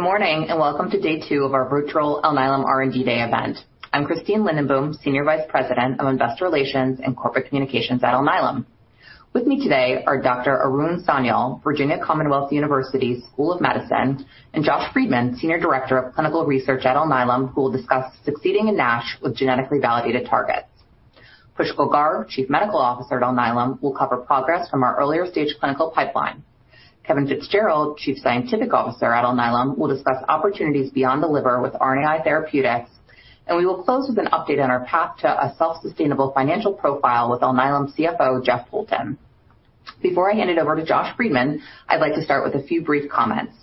Good morning and welcome to day two of our Virtual Alnylam R&D Day event. I'm Christine Lindenboom, Senior Vice President of Investor Relations and Corporate Communications at Alnylam. With me today are Dr. Arun Sanyal, Virginia Commonwealth University School of Medicine, and Josh Friedman, Senior Director of Clinical Research at Alnylam, who will discuss succeeding in NASH with genetically validated targets. Pushkal Garg, Chief Medical Officer at Alnylam, will cover progress from our earlier stage clinical pipeline. Kevin Fitzgerald, Chief Scientific Officer at Alnylam, will discuss opportunities beyond the liver with RNAi therapeutics. And we will close with an update on our path to a self-sustainable financial profile with Alnylam CFO Jeff Poulton. Before I hand it over to Josh Friedman, I'd like to start with a few brief comments.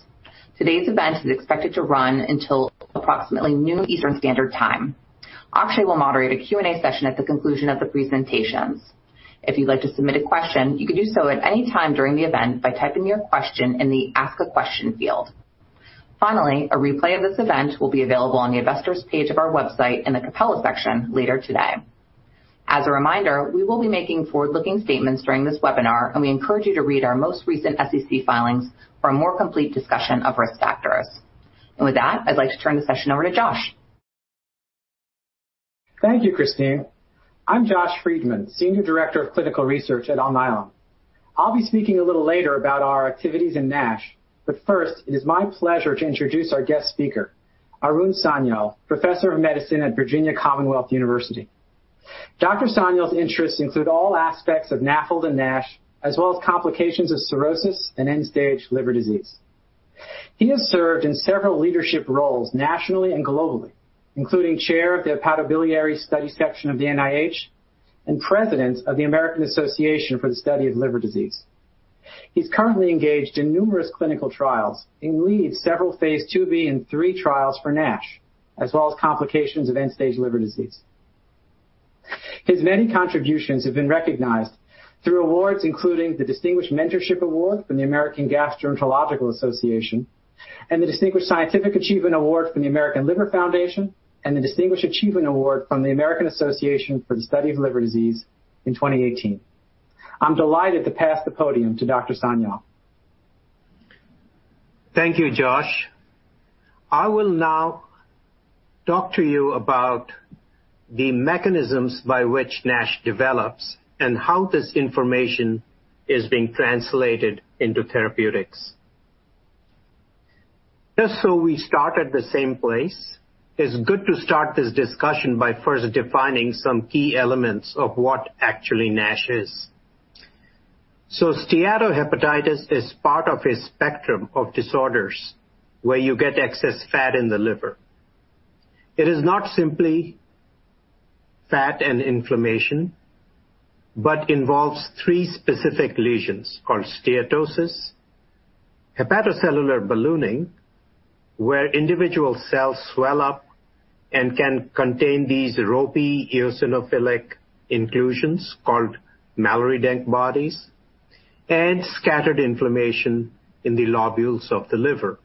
Today's event is expected to run until approximately noon Eastern Standard Time. Akshay will moderate a Q&A session at the conclusion of the presentations. If you'd like to submit a question, you can do so at any time during the event by typing your question in the Ask a Question field. Finally, a replay of this event will be available on the investors' page of our website in the Calendar section later today. As a reminder, we will be making forward-looking statements during this webinar, and we encourage you to read our most recent SEC filings for a more complete discussion of risk factors. And with that, I'd like to turn the session over to Josh. Thank you, Christine. I'm Josh Friedman, Senior Director of Clinical Research at Alnylam. I'll be speaking a little later about our activities in NASH, but first, it is my pleasure to introduce our guest speaker, Arun Sanyal, Professor of Medicine at Virginia Commonwealth University. Dr. Sanyal's interests include all aspects of NAFLD and NASH, as well as complications of cirrhosis and end-stage liver disease. He has served in several leadership roles nationally and globally, including Chair of the Hepatobiliary Studies Section of the NIH and President of the American Association for the Study of Liver Disease. He's currently engaged in numerous clinical trials and leads several phase IIb and III trials for NASH, as well as complications of end-stage liver disease. His many contributions have been recognized through awards including the Distinguished Mentorship Award from the American Gastroenterological Association and the Distinguished Scientific Achievement Award from the American Liver Foundation and the Distinguished Achievement Award from the American Association for the Study of Liver Disease in 2018. I'm delighted to pass the podium to Dr. Sanyal. Thank you, Josh. I will now talk to you about the mechanisms by which NASH develops and how this information is being translated into therapeutics. Just so we start at the same place, it's good to start this discussion by first defining some key elements of what actually NASH is. So, steatohepatitis is part of a spectrum of disorders where you get excess fat in the liver. It is not simply fat and inflammation, but involves three specific lesions called steatosis, hepatocellular ballooning, where individual cells swell up and can contain these ropey eosinophilic inclusions called Mallory-Denk bodies and scattered inflammation in the lobules of the liver.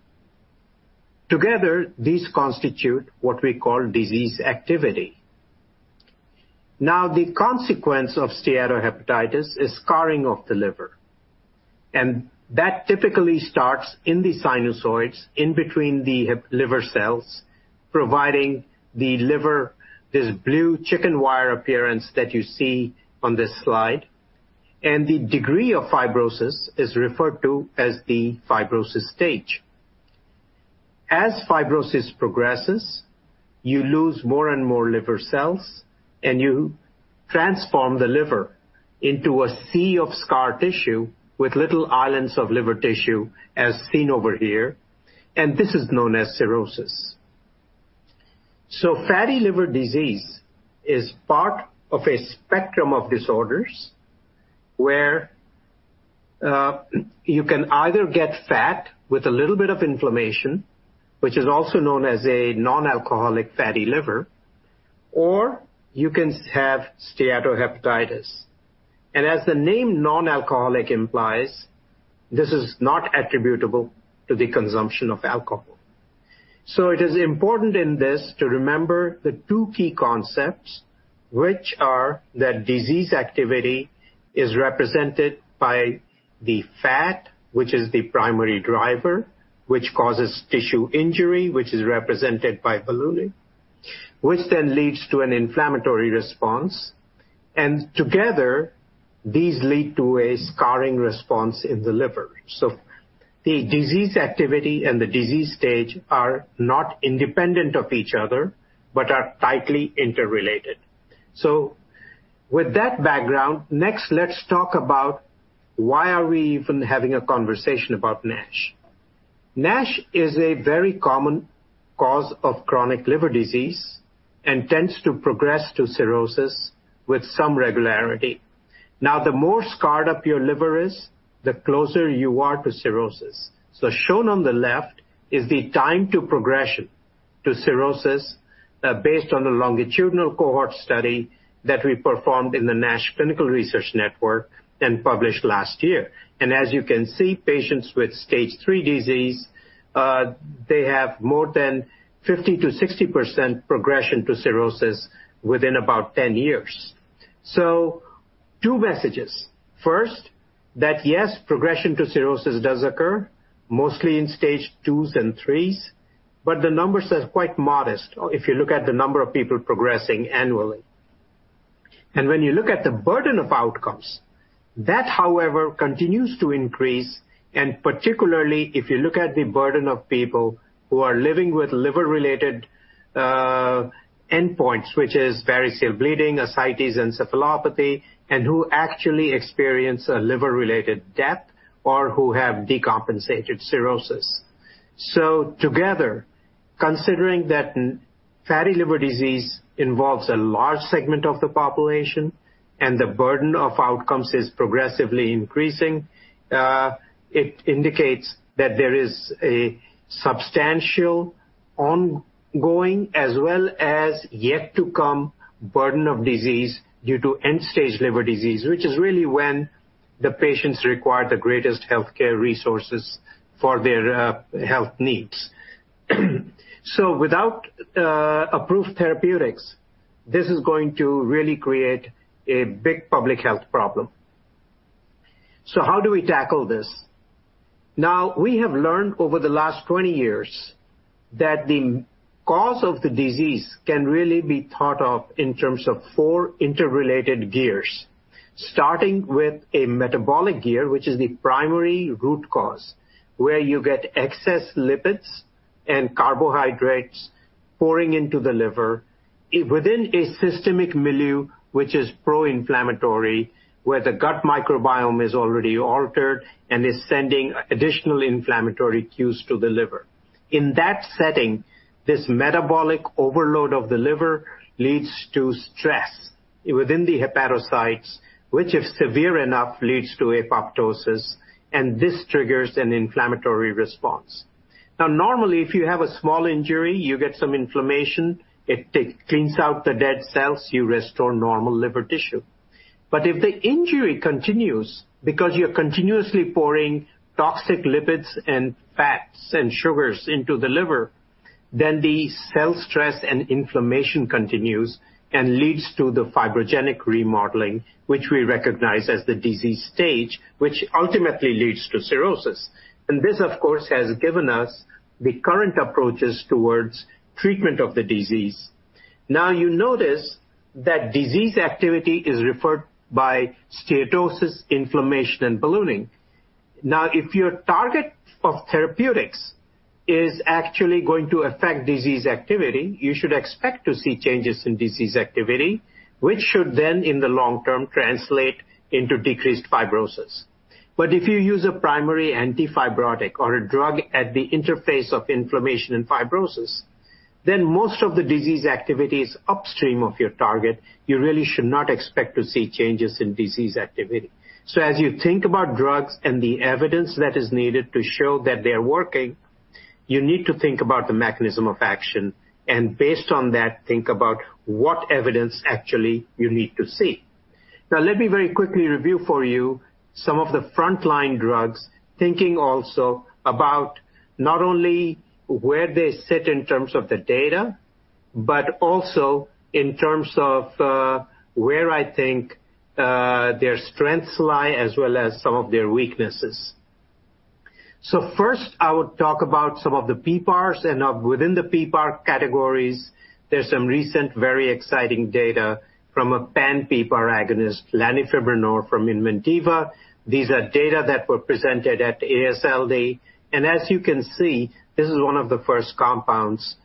Together, these constitute what we call disease activity. Now, the consequence of steatohepatitis is scarring of the liver. And that typically starts in the sinusoids in between the liver cells, providing the liver this blue chicken wire appearance that you see on this slide. And the degree of fibrosis is referred to as the fibrosis stage. As fibrosis progresses, you lose more and more liver cells, and you transform the liver into a sea of scar tissue with little islands of liver tissue, as seen over here. And this is known as cirrhosis. So, fatty liver disease is part of a spectrum of disorders where you can either get fat with a little bit of inflammation, which is also known as a non-alcoholic fatty liver, or you can have steatohepatitis. And as the name non-alcoholic implies, this is not attributable to the consumption of alcohol. So, it is important in this to remember the two key concepts, which are that disease activity is represented by the fat, which is the primary driver, which causes tissue injury, which is represented by ballooning, which then leads to an inflammatory response. And together, these lead to a scarring response in the liver. So, with that background, next, let's talk about why are we even having a conversation about NASH? NASH is a very common cause of chronic liver disease and tends to progress to cirrhosis with some regularity. Now, the more scarred up your liver is, the closer you are to cirrhosis. Shown on the left is the time to progression to cirrhosis based on the longitudinal cohort study that we performed in the NASH Clinical Research Network and published last year. As you can see, patients with stage III disease, they have more than 50%-60% progression to cirrhosis within about 10 years. Two messages. First, that yes, progression to cirrhosis does occur, mostly in stage IIs and IIIs, but the numbers are quite modest if you look at the number of people progressing annually. When you look at the burden of outcomes, that, however, continues to increase, and particularly if you look at the burden of people who are living with liver-related endpoints, which is variceal bleeding, ascites, encephalopathy, and who actually experience a liver-related death or who have decompensated cirrhosis. So, together, considering that fatty liver disease involves a large segment of the population and the burden of outcomes is progressively increasing, it indicates that there is a substantial ongoing as well as yet-to-come burden of disease due to end-stage liver disease, which is really when the patients require the greatest healthcare resources for their health needs. So, without approved therapeutics, this is going to really create a big public health problem. So, how do we tackle this? Now, we have learned over the last 20 years that the cause of the disease can really be thought of in terms of four interrelated gears, starting with a metabolic gear, which is the primary root cause, where you get excess lipids and carbohydrates pouring into the liver within a systemic milieu, which is pro-inflammatory, where the gut microbiome is already altered and is sending additional inflammatory cues to the liver. In that setting, this metabolic overload of the liver leads to stress within the hepatocytes, which, if severe enough, leads to apoptosis, and this triggers an inflammatory response. Now, normally, if you have a small injury, you get some inflammation, it cleans out the dead cells, you restore normal liver tissue. But if the injury continues because you're continuously pouring toxic lipids and fats and sugars into the liver, then the cell stress and inflammation continues and leads to the fibrogenic remodeling, which we recognize as the disease stage, which ultimately leads to cirrhosis. And this, of course, has given us the current approaches towards treatment of the disease. Now, you notice that disease activity is referred by steatosis, inflammation, and ballooning. Now, if your target of therapeutics is actually going to affect disease activity, you should expect to see changes in disease activity, which should then, in the long term, translate into decreased fibrosis. But if you use a primary antifibrotic or a drug at the interface of inflammation and fibrosis, then most of the disease activity is upstream of your target. You really should not expect to see changes in disease activity. So, as you think about drugs and the evidence that is needed to show that they're working, you need to think about the mechanism of action. And based on that, think about what evidence actually you need to see. Now, let me very quickly review for you some of the frontline drugs, thinking also about not only where they sit in terms of the data, but also in terms of where I think their strengths lie as well as some of their weaknesses. So, first, I would talk about some of the PPARs. And within the PPAR categories, there's some recent, very exciting data from a pan-PPAR agonist, lanifibranor from Inventiva. These are data that were presented at AASLD. And as you can see, this is one of the first compounds,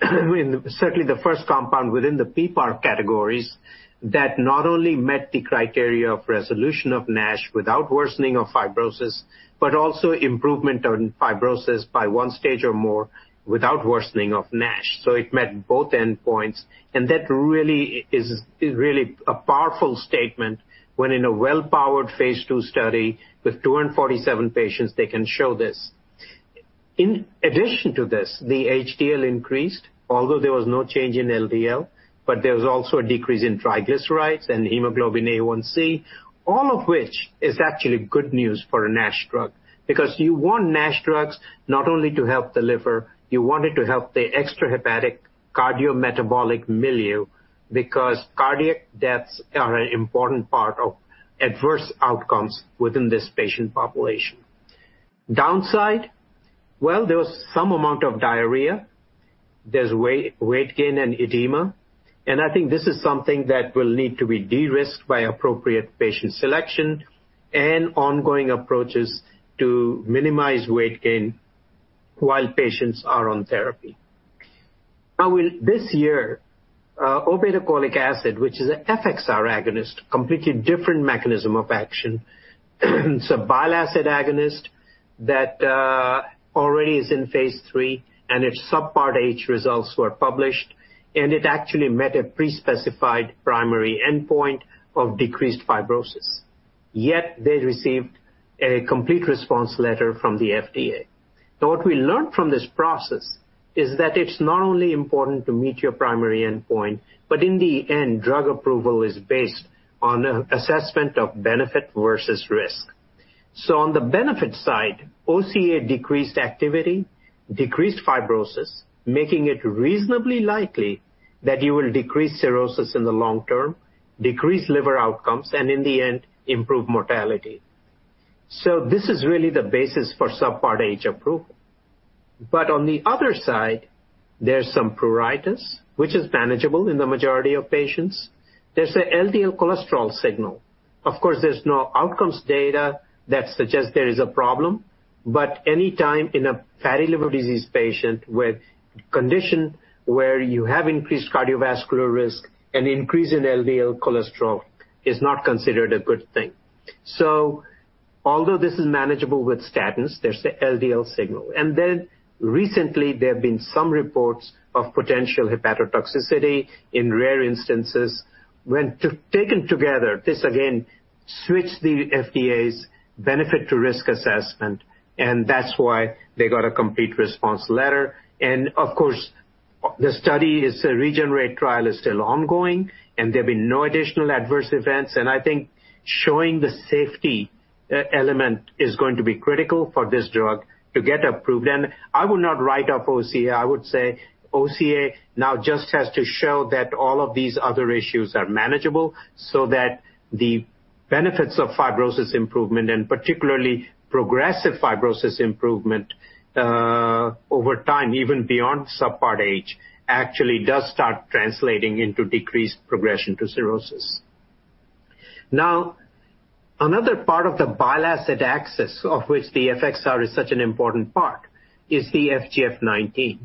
certainly the first compound within the PPAR categories that not only met the criteria of resolution of NASH without worsening of fibrosis, but also improvement of fibrosis by one stage or more without worsening of NASH. So, it met both endpoints. That really is really a powerful statement when, in a well-powered phase II study with 247 patients, they can show this. In addition to this, the HDL increased, although there was no change in LDL, but there was also a decrease in triglycerides and hemoglobin A1c, all of which is actually good news for a NASH drug because you want NASH drugs not only to help the liver, you want it to help the extrahepatic cardiometabolic milieu because cardiac deaths are an important part of adverse outcomes within this patient population. Downside? There was some amount of diarrhea. There's weight gain and edema. And I think this is something that will need to be de-risked by appropriate patient selection and ongoing approaches to minimize weight gain while patients are on therapy. Now, this year, obeticholic acid, which is an FXR agonist, completely different mechanism of action. It's a bile acid agonist that already is in phase III, and its Subpart H results were published and it actually met a pre-specified primary endpoint of decreased fibrosis. Yet, they received a complete response letter from the FDA. Now, what we learned from this process is that it's not only important to meet your primary endpoint, but in the end, drug approval is based on an assessment of benefit versus risk, so on the benefit side, OCA decreased activity, decreased fibrosis, making it reasonably likely that you will decrease cirrhosis in the long term, decrease liver outcomes, and in the end, improve mortality so this is really the basis for Subpart H approval, but on the other side, there's some pruritus, which is manageable in the majority of patients. There's an LDL cholesterol signal. Of course, there's no outcomes data that suggests there is a problem. But anytime in a fatty liver disease patient with a condition where you have increased cardiovascular risk, an increase in LDL cholesterol is not considered a good thing. So, although this is manageable with statins, there's an LDL signal. And then recently, there have been some reports of potential hepatotoxicity in rare instances. When taken together, this again switched the FDA's benefit to risk assessment. And that's why they got a complete response letter. And of course, the study, the Regenerate trial, is still ongoing, and there have been no additional adverse events. And I think showing the safety element is going to be critical for this drug to get approved. And I would not write off OCA. I would say OCA now just has to show that all of these other issues are manageable so that the benefits of fibrosis improvement, and particularly progressive fibrosis improvement over time, even beyond subpart H, actually does start translating into decreased progression to cirrhosis. Now, another part of the bile acid axis, of which the FXR is such an important part, is the FGF19.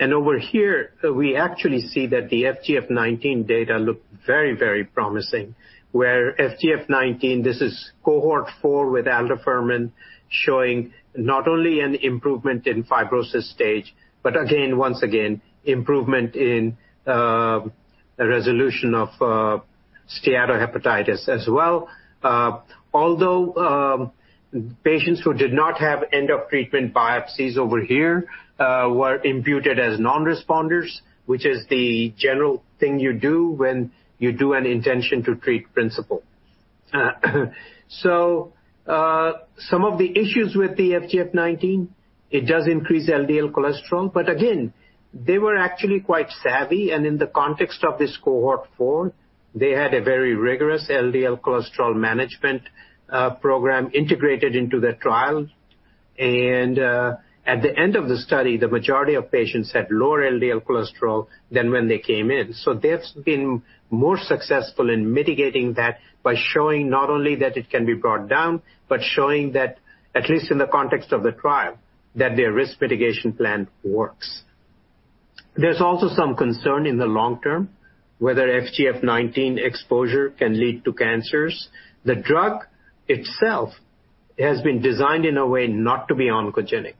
And over here, we actually see that the FGF19 data look very, very promising, where FGF19, this is cohort four with aldafermin, showing not only an improvement in fibrosis stage, but again, once again, improvement in resolution of steatohepatitis as well. Although patients who did not have end-of-treatment biopsies over here were imputed as non-responders, which is the general thing you do when you do an intention-to-treat principle. So, some of the issues with the FGF19, it does increase LDL cholesterol. But again, they were actually quite savvy. And in the context of this cohort four, they had a very rigorous LDL cholesterol management program integrated into the trial. And at the end of the study, the majority of patients had lower LDL cholesterol than when they came in. So, they've been more successful in mitigating that by showing not only that it can be brought down, but showing that, at least in the context of the trial, that their risk mitigation plan works. There's also some concern in the long term whether FGF19 exposure can lead to cancers. The drug itself has been designed in a way not to be oncogenic.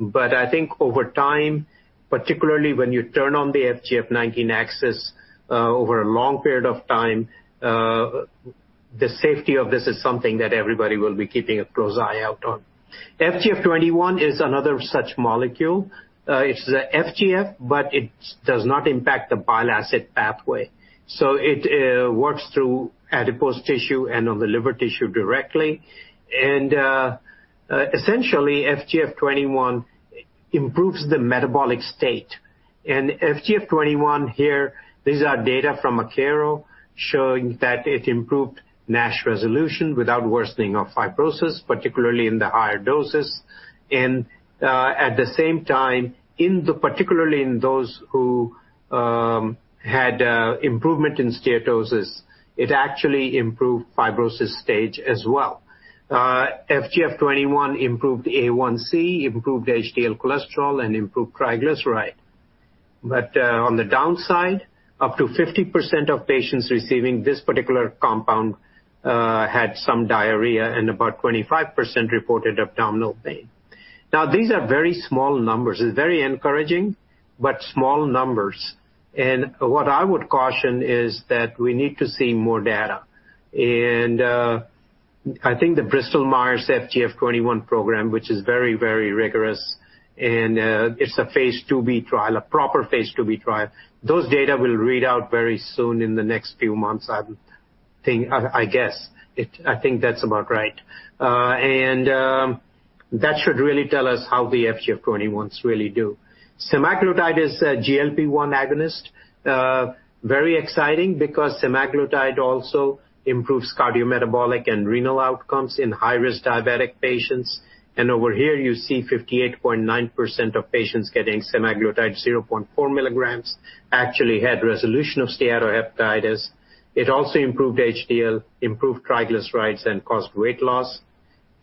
But I think over time, particularly when you turn on the FGF19 axis over a long period of time, the safety of this is something that everybody will be keeping a close eye out on. FGF21 is another such molecule. It's the FGF, but it does not impact the bile acid pathway. So, it works through adipose tissue and on the liver tissue directly. And essentially, FGF21 improves the metabolic state. And FGF21 here, these are data from Akero showing that it improved NASH resolution without worsening of fibrosis, particularly in the higher doses. And at the same time, particularly in those who had improvement in steatosis, it actually improved fibrosis stage as well. FGF21 improved A1c, improved HDL cholesterol, and improved triglyceride. But on the downside, up to 50% of patients receiving this particular compound had some diarrhea, and about 25% reported abdominal pain. Now, these are very small numbers. It's very encouraging, but small numbers. And what I would caution is that we need to see more data. think the Bristol Myers Squibb FGF21 program, which is very, very rigorous, and it's a phase IIb trial, a proper phase IIb trial, those data will read out very soon in the next few months, I guess. I think that's about right. And that should really tell us how the FGF21s really do. semaglutide is a GLP-1 agonist, very exciting because semaglutide also improves cardiometabolic and renal outcomes in high-risk diabetic patients. And over here, you see 58.9% of patients getting semaglutide 0.4 milligrams actually had resolution of steatohepatitis. It also improved HDL, improved triglycerides, and caused weight loss.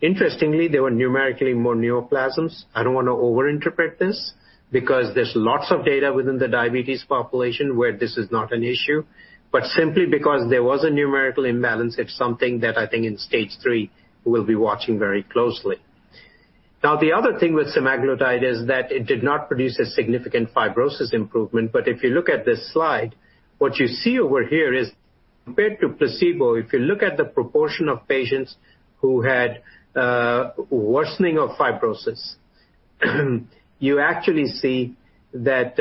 Interestingly, there were numerically more neoplasms. I don't want to overinterpret this because there's lots of data within the diabetes population where this is not an issue. But simply because there was a numerical imbalance, it's something that I think in stage III we'll be watching very closely. Now, the other thing with semaglutide is that it did not produce a significant fibrosis improvement. But if you look at this slide, what you see over here is compared to placebo, if you look at the proportion of patients who had worsening of fibrosis, you actually see that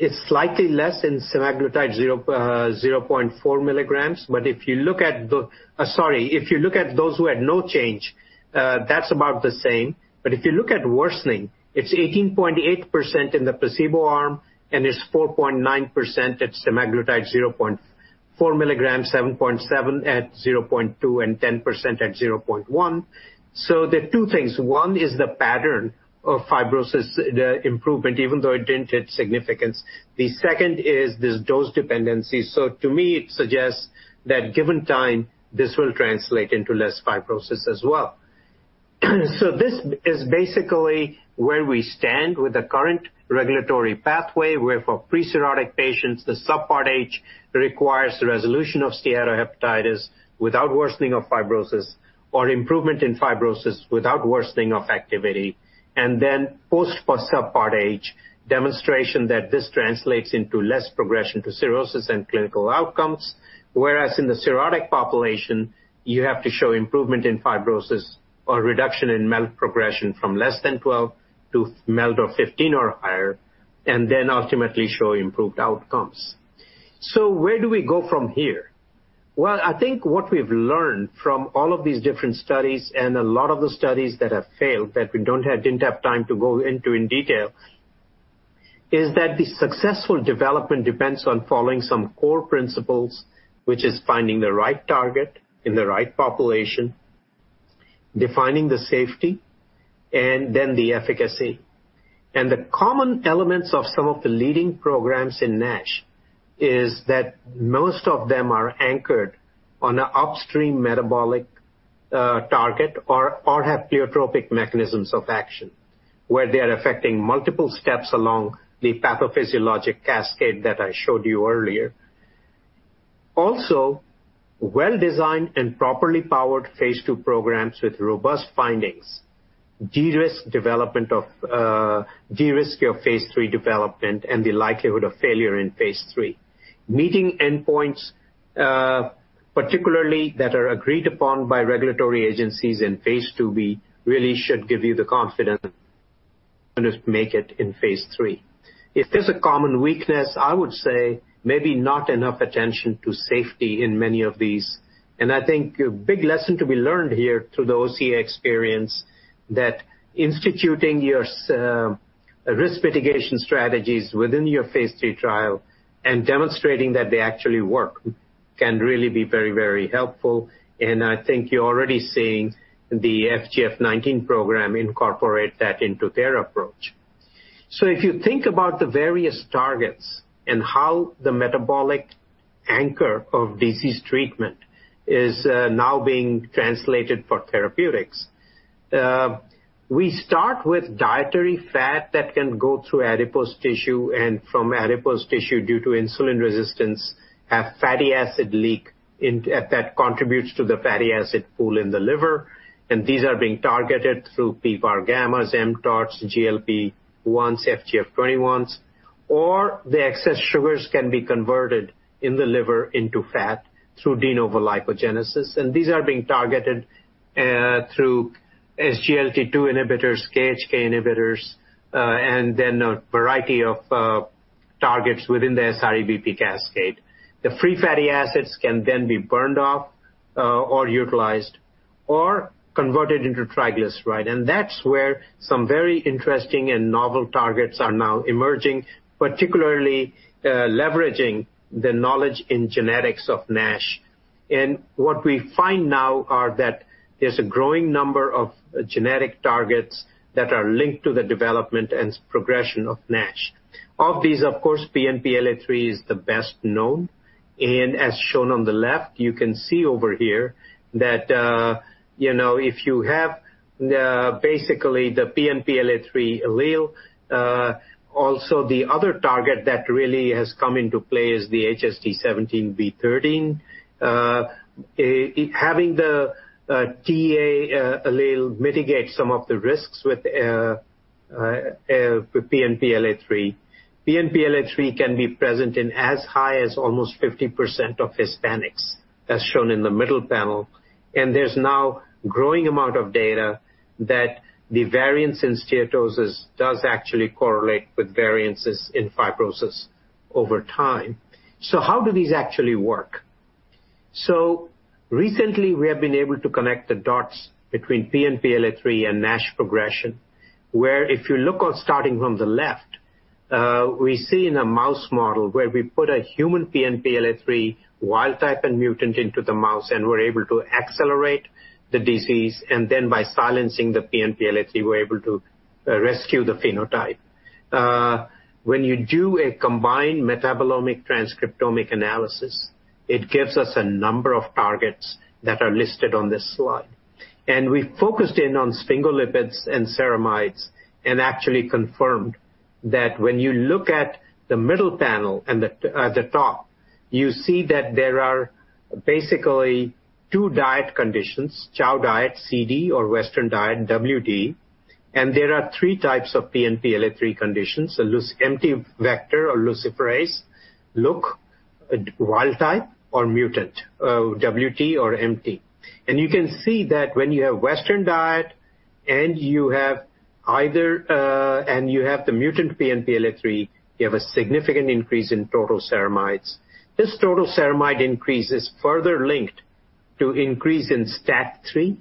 it's slightly less in semaglutide 0.4 milligrams. But if you look at the, sorry, if you look at those who had no change, that's about the same. But if you look at worsening, it's 18.8% in the placebo arm, and it's 4.9% at semaglutide 0.4 milligrams, 7.7 at 0.2, and 10% at 0.1. So, there are two things. One is the pattern of fibrosis improvement, even though it didn't hit significance. The second is this dose dependency. So, to me, it suggests that given time, this will translate into less fibrosis as well. This is basically where we stand with the current regulatory pathway where for pre-cirrhotic patients, the Subpart H requires resolution of steatohepatitis without worsening of fibrosis or improvement in fibrosis without worsening of activity. Then post Subpart H, demonstration that this translates into less progression to cirrhosis and clinical outcomes, whereas in the cirrhotic population, you have to show improvement in fibrosis or reduction in MELD progression from less than 12 to MELD of 15 or higher, and then ultimately show improved outcomes. Where do we go from here? I think what we've learned from all of these different studies and a lot of the studies that have failed, that we didn't have time to go into in detail, is that the successful development depends on following some core principles, which is finding the right target in the right population, defining the safety, and then the efficacy. The common elements of some of the leading programs in NASH is that most of them are anchored on an upstream metabolic target or have pleiotropic mechanisms of action where they are affecting multiple steps along the pathophysiologic cascade that I showed you earlier. Also, well-designed and properly powered phase II programs with robust findings, de-risk development of phase III development, and the likelihood of failure in phase III. Meeting endpoints, particularly that are agreed upon by regulatory agencies in phase IIb really should give you the confidence to make it in phase III. If there's a common weakness, I would say maybe not enough attention to safety in many of these, and I think a big lesson to be learned here through the OCA experience, that instituting your risk mitigation strategies within your phase III trial and demonstrating that they actually work can really be very, very helpful, and I think you're already seeing the FGF19 program incorporate that into their approach, so if you think about the various targets and how the metabolic anchor of disease treatment is now being translated for therapeutics, we start with dietary fat that can go through adipose tissue, and from adipose tissue, due to insulin resistance, have fatty acid leak that contributes to the fatty acid pool in the liver. And these are being targeted through PPAR gammas, mTORC, GLP-1s, FGF21s. Or the excess sugars can be converted in the liver into fat through de novo lipogenesis. And these are being targeted through SGLT2 inhibitors, KHK inhibitors, and then a variety of targets within the SREBP cascade. The free fatty acids can then be burned off or utilized or converted into triglyceride. And that's where some very interesting and novel targets are now emerging, particularly leveraging the knowledge in genetics of NASH. And what we find now are that there's a growing number of genetic targets that are linked to the development and progression of NASH. Of these, of course, PNPLA3 is the best known. And as shown on the left, you can see over here that if you have basically the PNPLA3 allele, also the other target that really has come into play is the HSD17B13. Having the TA allele mitigates some of the risks with PNPLA3. PNPLA3 can be present in as high as almost 50% of Hispanics, as shown in the middle panel. And there's now a growing amount of data that the variance in steatosis does actually correlate with variances in fibrosis over time. So, how do these actually work? So, recently, we have been able to connect the dots between PNPLA3 and NASH progression, where if you look on starting from the left, we see in a mouse model where we put a human PNPLA3 wild type and mutant into the mouse, and we're able to accelerate the disease. And then by silencing the PNPLA3, we're able to rescue the phenotype. When you do a combined metabolomic transcriptomic analysis, it gives us a number of targets that are listed on this slide. And we focused in on sphingolipids and ceramides and actually confirmed that when you look at the middle panel at the top, you see that there are basically two diet conditions, chow diet, CD, or Western diet, WD. And there are three types of PNPLA3 conditions: empty vector or luciferase, look, wild type, or mutant, WT or empty. And you can see that when you have Western diet and you have either, and you have the mutant PNPLA3, you have a significant increase in total ceramides. This total ceramide increase is further linked to an increase in STAT3.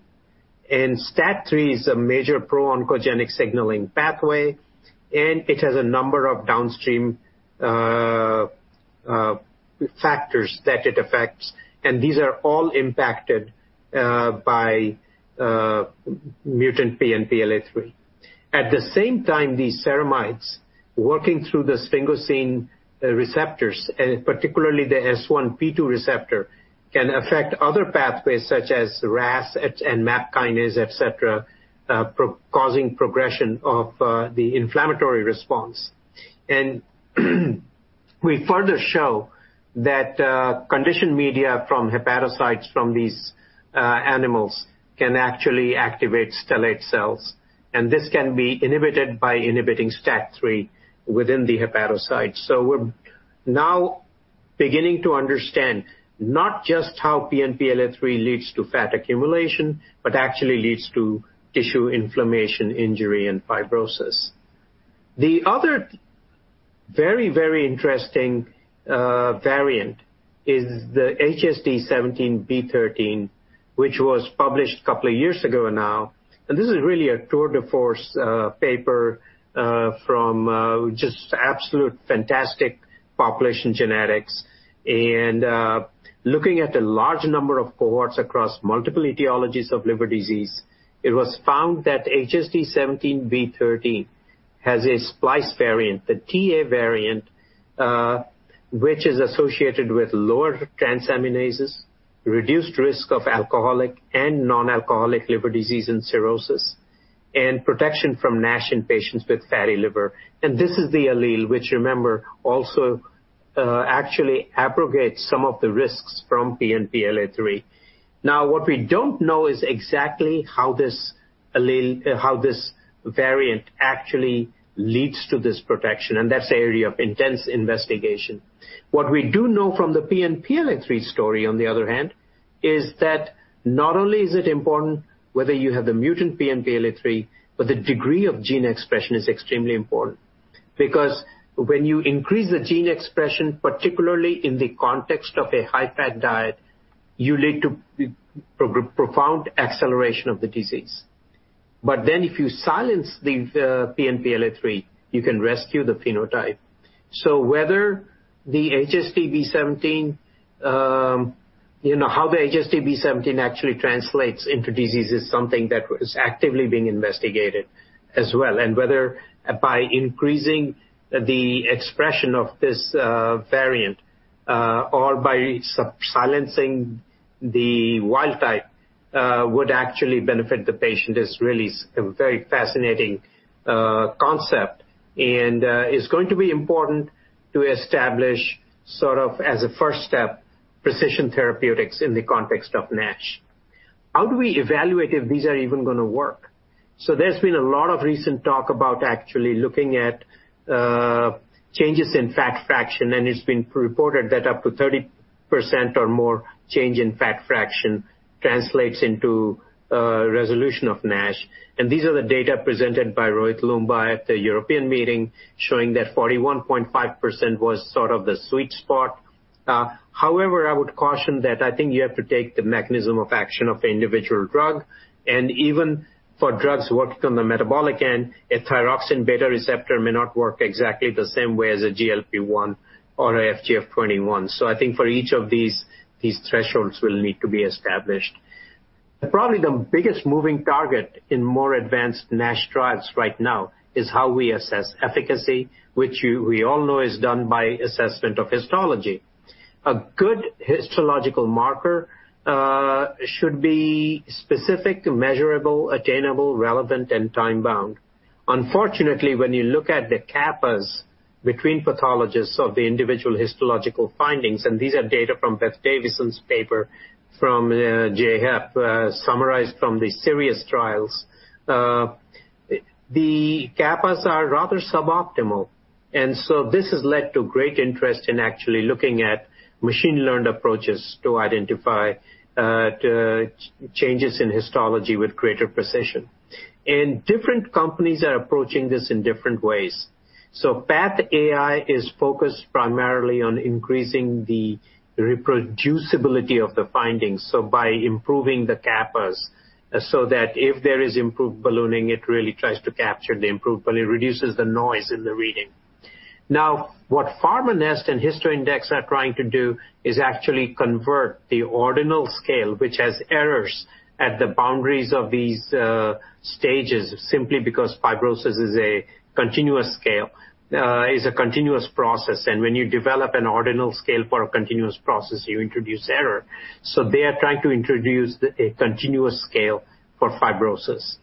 And STAT3 is a major pro-oncogenic signaling pathway, and it has a number of downstream factors that it affects. And these are all impacted by mutant PNPLA3. At the same time, these ceramides working through the sphingosine receptors, particularly the S1P2 receptor, can affect other pathways such as RAS and MAP kinase, etc., causing progression of the inflammatory response, and we further show that conditioned media from hepatocytes from these animals can actually activate stellate cells. And this can be inhibited by inhibiting STAT3 within the hepatocytes, so we're now beginning to understand not just how PNPLA3 leads to fat accumulation, but actually leads to tissue inflammation, injury, and fibrosis. The other very, very interesting variant is the HSD17B13, which was published a couple of years ago now, and this is really a tour de force paper from just absolute fantastic population genetics. Looking at a large number of cohorts across multiple etiologies of liver disease, it was found that HSD17B13 has a splice variant, the TA variant, which is associated with lower transaminases, reduced risk of alcoholic and non-alcoholic liver disease and cirrhosis, and protection from NASH in patients with fatty liver. This is the allele which, remember, also actually abrogates some of the risks from PNPLA3. Now, what we don't know is exactly how this variant actually leads to this protection. That's an area of intense investigation. What we do know from the PNPLA3 story, on the other hand, is that not only is it important whether you have the mutant PNPLA3, but the degree of gene expression is extremely important. Because when you increase the gene expression, particularly in the context of a high-fat diet, you lead to profound acceleration of the disease. But then if you silence the PNPLA3, you can rescue the phenotype. So, whether the HSD17, how the HSD17 actually translates into disease is something that is actively being investigated as well. And whether by increasing the expression of this variant or by silencing the wild type would actually benefit the patient is really a very fascinating concept. And it's going to be important to establish sort of as a first step precision therapeutics in the context of NASH. How do we evaluate if these are even going to work? So, there's been a lot of recent talk about actually looking at changes in fat fraction. And it's been reported that up to 30% or more change in fat fraction translates into resolution of NASH. And these are the data presented by Rohit Loomba at the European meeting showing that 41.5% was sort of the sweet spot. However, I would caution that I think you have to take the mechanism of action of individual drug. And even for drugs working on the metabolic end, a thyroid hormone receptor beta may not work exactly the same way as a GLP-1 or an FGF21. So, I think for each of these, these thresholds will need to be established. Probably the biggest moving target in more advanced NASH trials right now is how we assess efficacy, which we all know is done by assessment of histology. A good histological marker should be specific, measurable, attainable, relevant, and time-bound. Unfortunately, when you look at the kappas between pathologists of the individual histological findings, and these are data from Beth Davison's paper from JHEP summarized from the series of trials, the kappas are rather suboptimal. And so, this has led to great interest in actually looking at machine-learned approaches to identify changes in histology with greater precision. And different companies are approaching this in different ways. So, PathAI is focused primarily on increasing the reproducibility of the findings, so by improving the kappas so that if there is improved ballooning, it really tries to capture the improved ballooning, reduces the noise in the reading. Now, what PharmaNest and HistoIndex are trying to do is actually convert the ordinal scale, which has errors at the boundaries of these stages, simply because fibrosis is a continuous scale, is a continuous process. And when you develop an ordinal scale for a continuous process, you introduce error. So, they are trying to introduce a continuous scale for fibrosis.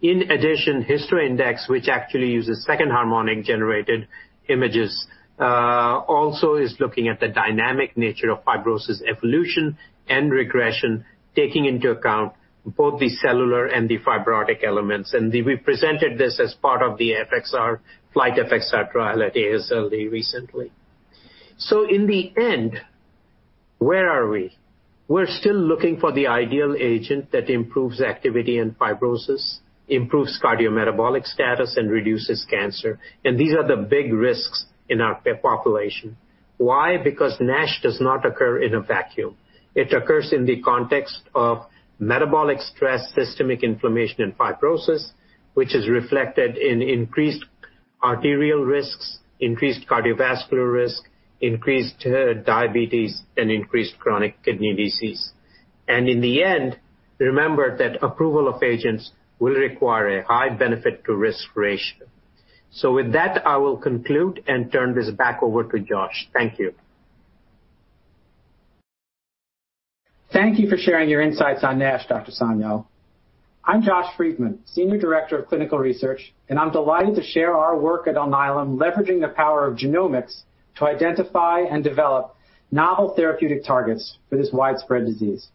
In addition, HistoIndex, which actually uses second harmonic-generated images, also is looking at the dynamic nature of fibrosis evolution and regression, taking into account both the cellular and the fibrotic elements. And we presented this as part of the FXR, FLINT FXR trial at AASLD recently. So, in the end, where are we? We're still looking for the ideal agent that improves activity in fibrosis, improves cardiometabolic status, and reduces cancer. And these are the big risks in our population. Why? Because NASH does not occur in a vacuum. It occurs in the context of metabolic stress, systemic inflammation, and fibrosis, which is reflected in increased arterial risks, increased cardiovascular risk, increased diabetes, and increased chronic kidney disease. And in the end, remember that approval of agents will require a high benefit-to-risk ratio. So, with that, I will conclude and turn this back over to Josh. Thank you. Thank you for sharing your insights on NASH, Dr. Sanyal. I'm Josh Friedman, Senior Director of Clinical Research, and I'm delighted to share our work at Alnylam leveraging the power of genomics to identify and develop novel therapeutic targets for this widespread disease.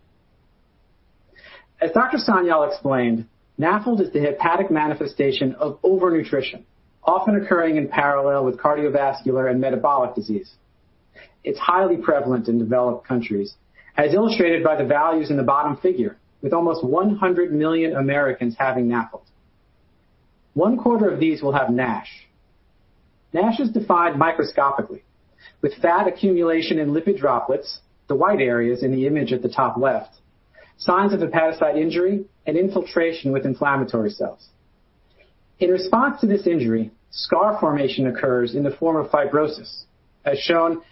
As Dr. Sanyal explained, NAFLD is the hepatic manifestation of overnutrition, often occurring in parallel with cardiovascular and metabolic disease. It's highly prevalent in developed countries, as illustrated by the values in the bottom figure, with almost 100 million Americans having NAFLD. One quarter of these will have NASH. NASH is defined microscopically, with fat accumulation in lipid droplets, the white areas in the image at the top left, signs of hepatocyte injury and infiltration with inflammatory cells. In response to this injury, scar formation occurs in the form of fibrosis, as shown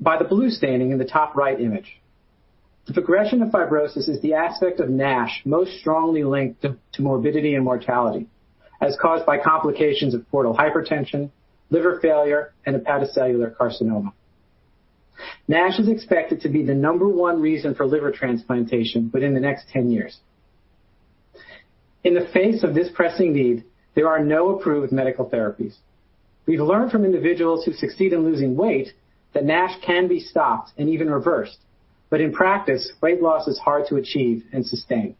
by the blue staining in the top right image. The progression of fibrosis is the aspect of NASH most strongly linked to morbidity and mortality, as caused by complications of portal hypertension, liver failure, and hepatocellular carcinoma. NASH is expected to be the number one reason for liver transplantation within the next 10 years. In the face of this pressing need, there are no approved medical therapies. We've learned from individuals who succeed in losing weight that NASH can be stopped and even reversed. But in practice, weight loss is hard to achieve and sustain.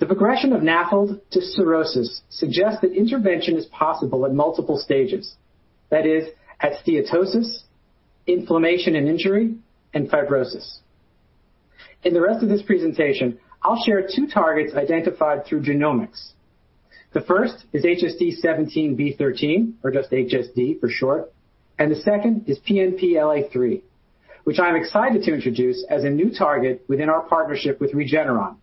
The progression of NAFLD to cirrhosis suggests that intervention is possible at multiple stages. That is, at steatosis, inflammation and injury, and fibrosis. In the rest of this presentation, I'll share two targets identified through genomics. The first is HSD17B13, or just HSD for short. The second is PNPLA3, which I'm excited to introduce as a new target within our partnership with Regeneron,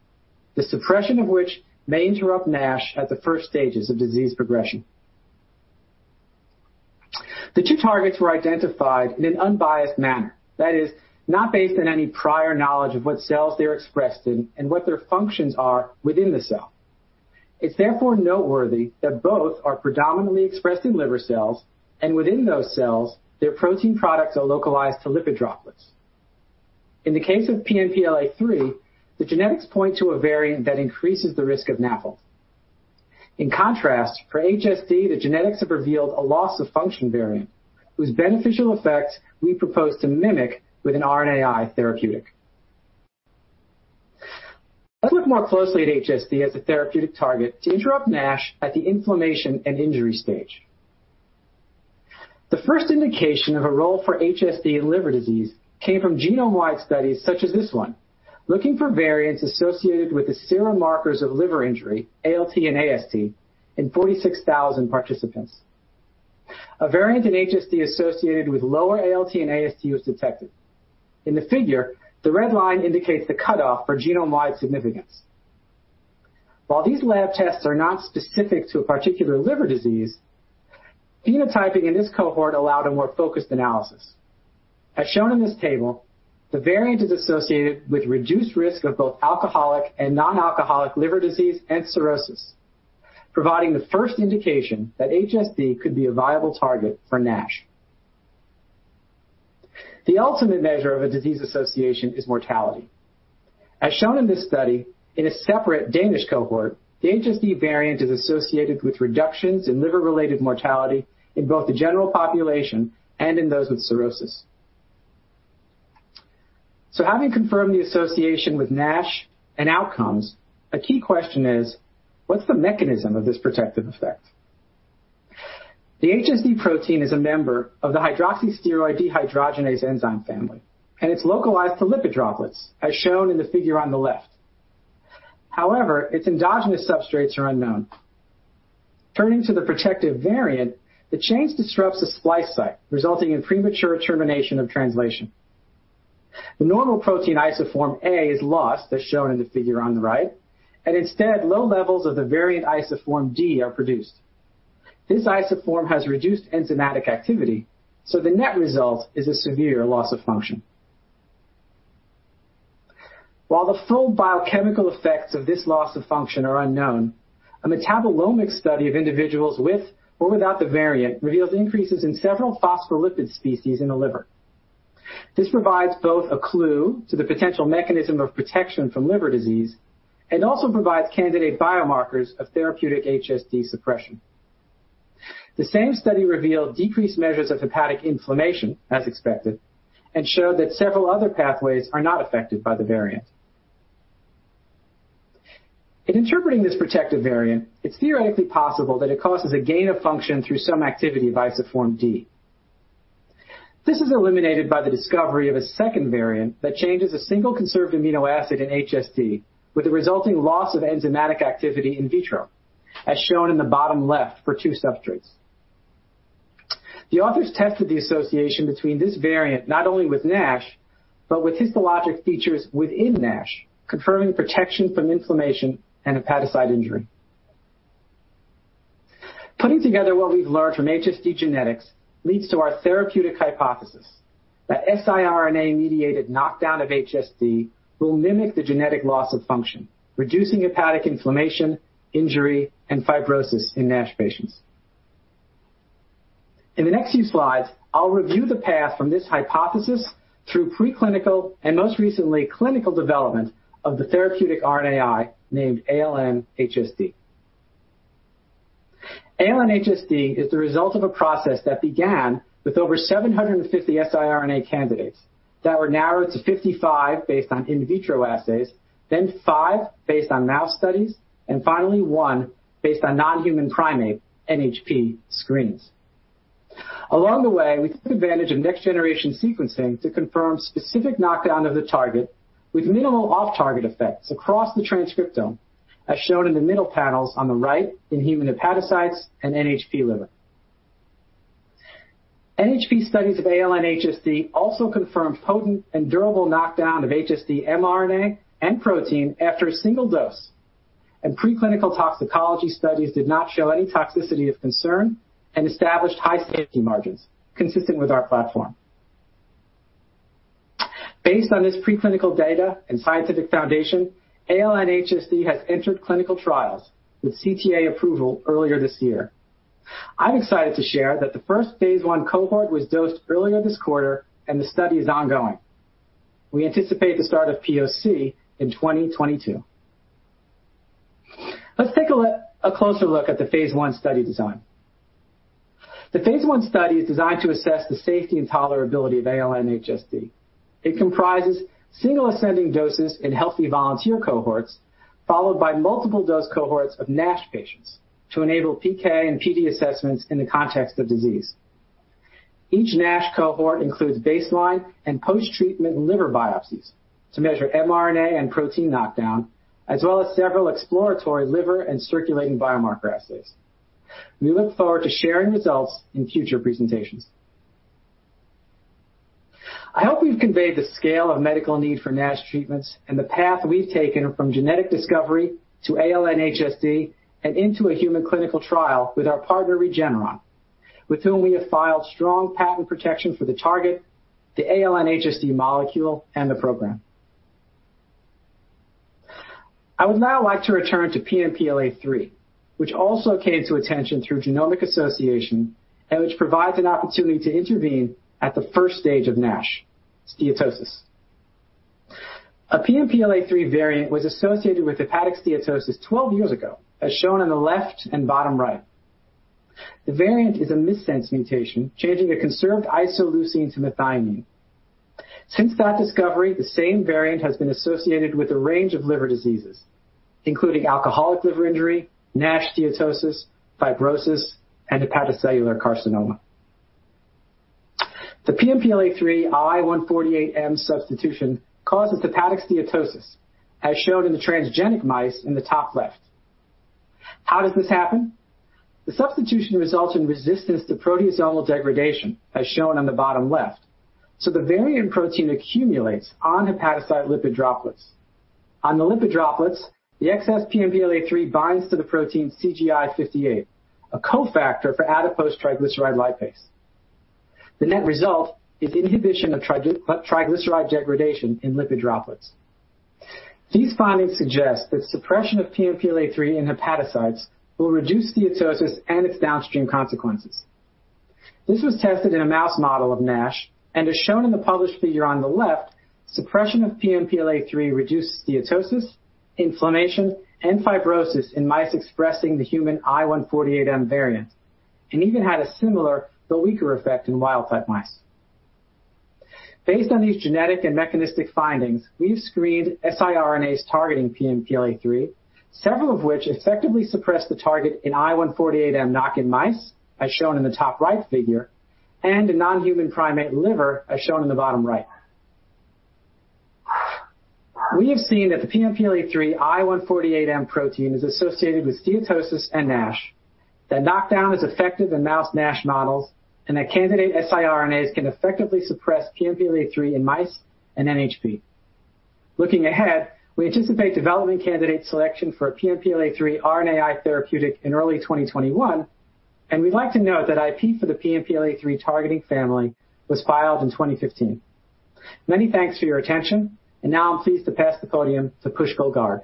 the suppression of which may interrupt NASH at the first stages of disease progression. The two targets were identified in an unbiased manner. That is, not based on any prior knowledge of what cells they're expressed in and what their functions are within the cell. It's therefore noteworthy that both are predominantly expressed in liver cells, and within those cells, their protein products are localized to lipid droplets. In the case of PNPLA3, the genetics point to a variant that increases the risk of NAFLD. In contrast, for HSD, the genetics have revealed a loss of function variant, whose beneficial effects we propose to mimic with an RNAi therapeutic. Let's look more closely at HSD as a therapeutic target to interrupt NASH at the inflammation and injury stage. The first indication of a role for HSD in liver disease came from genome-wide studies such as this one, looking for variants associated with the serum markers of liver injury, ALT and AST, in 46,000 participants. A variant in HSD associated with lower ALT and AST was detected. In the figure, the red line indicates the cutoff for genome-wide significance. While these lab tests are not specific to a particular liver disease, phenotyping in this cohort allowed a more focused analysis. As shown in this table, the variant is associated with reduced risk of both alcoholic and non-alcoholic liver disease and cirrhosis, providing the first indication that HSD could be a viable target for NASH. The ultimate measure of a disease association is mortality. As shown in this study, in a separate Danish cohort, the HSD variant is associated with reductions in liver-related mortality in both the general population and in those with cirrhosis, so having confirmed the association with NASH and outcomes, a key question is, what's the mechanism of this protective effect? The HSD protein is a member of the hydroxysteroid dehydrogenase enzyme family, and it's localized to lipid droplets, as shown in the figure on the left. However, its endogenous substrates are unknown. Turning to the protective variant, the change disrupts the splice site, resulting in premature termination of translation. The normal protein isoform A is lost, as shown in the figure on the right, and instead, low levels of the variant isoform D are produced. This isoform has reduced enzymatic activity, so the net result is a severe loss of function. While the full biochemical effects of this loss of function are unknown, a metabolomic study of individuals with or without the variant reveals increases in several phospholipid species in the liver. This provides both a clue to the potential mechanism of protection from liver disease and also provides candidate biomarkers of therapeutic HSD suppression. The same study revealed decreased measures of hepatic inflammation, as expected, and showed that several other pathways are not affected by the variant. In interpreting this protective variant, it's theoretically possible that it causes a gain of function through some activity of isoform D. This is eliminated by the discovery of a second variant that changes a single conserved amino acid in HSD, with the resulting loss of enzymatic activity in vitro, as shown in the bottom left for two substrates. The authors tested the association between this variant not only with NASH, but with histologic features within NASH, confirming protection from inflammation and hepatocyte injury. Putting together what we've learned from HSD genetics leads to our therapeutic hypothesis that siRNA-mediated knockdown of HSD will mimic the genetic loss of function, reducing hepatic inflammation, injury, and fibrosis in NASH patients. In the next few slides, I'll review the path from this hypothesis through preclinical and most recently clinical development of the therapeutic RNAi named ALN-HSD. ALN-HSD is the result of a process that began with over 750 siRNA candidates that were narrowed to 55 based on in vitro assays, then five based on mouse studies, and finally one based on non-human primate, NHP, screens. Along the way, we took advantage of next-generation sequencing to confirm specific knockdown of the target with minimal off-target effects across the transcriptome, as shown in the middle panels on the right in human hepatocytes and NHP liver. NHP studies of ALN-HSD also confirmed potent and durable knockdown of HSD mRNA and protein after a single dose. And preclinical toxicology studies did not show any toxicity of concern and established high safety margins, consistent with our platform. Based on this preclinical data and scientific foundation, ALN-HSD has entered clinical trials with CTA approval earlier this year. I'm excited to share that the first phase 1 cohort was dosed earlier this quarter, and the study is ongoing. We anticipate the start of POC in 2022. Let's take a closer look at the phase 1 study design. The phase 1 study is designed to assess the safety and tolerability of ALN-HSD. It comprises single ascending doses in healthy volunteer cohorts, followed by multiple dose cohorts of NASH patients to enable PK and PD assessments in the context of disease. Each NASH cohort includes baseline and post-treatment liver biopsies to measure mRNA and protein knockdown, as well as several exploratory liver and circulating biomarker assays. We look forward to sharing results in future presentations. I hope we've conveyed the scale of medical need for NASH treatments and the path we've taken from genetic discovery to ALN-HSD and into a human clinical trial with our partner Regeneron, with whom we have filed strong patent protection for the target, the ALN-HSD molecule, and the program. I would now like to return to PNPLA3, which also came to attention through genomic association and which provides an opportunity to intervene at the first stage of NASH, steatosis. A PNPLA3 variant was associated with hepatic steatosis 12 years ago, as shown in the left and bottom right. The variant is a missense mutation, changing a conserved isoleucine to methionine. Since that discovery, the same variant has been associated with a range of liver diseases, including alcoholic liver injury, NASH steatosis, fibrosis, and hepatocellular carcinoma. The PNPLA3 I148M substitution causes hepatic steatosis, as shown in the transgenic mice in the top left. How does this happen? The substitution results in resistance to proteasomal degradation, as shown on the bottom left, so the variant protein accumulates on hepatocyte lipid droplets. On the lipid droplets, the excess PNPLA3 binds to the protein CGI58, a cofactor for adipose triglyceride lipase. The net result is inhibition of triglyceride degradation in lipid droplets. These findings suggest that suppression of PNPLA3 in hepatocytes will reduce steatosis and its downstream consequences. This was tested in a mouse model of NASH, and as shown in the published figure on the left, suppression of PNPLA3 reduced steatosis, inflammation, and fibrosis in mice expressing the human I148M variant, and even had a similar, though weaker, effect in wild-type mice. Based on these genetic and mechanistic findings, we've screened siRNAs targeting PNPLA3, several of which effectively suppressed the target in I148M knock-in mice, as shown in the top right figure, and in non-human primate liver, as shown in the bottom right. We have seen that the PNPLA3 I148M protein is associated with steatosis and NASH, that knockdown is effective in mouse NASH models, and that candidate siRNAs can effectively suppress PNPLA3 in mice and NHP. Looking ahead, we anticipate developing candidate selection for a PNPLA3 RNAi therapeutic in early 2021, and we'd like to note that IP for the PNPLA3 targeting family was filed in 2015. Many thanks for your attention, and now I'm pleased to pass the podium to Pushkal Garg.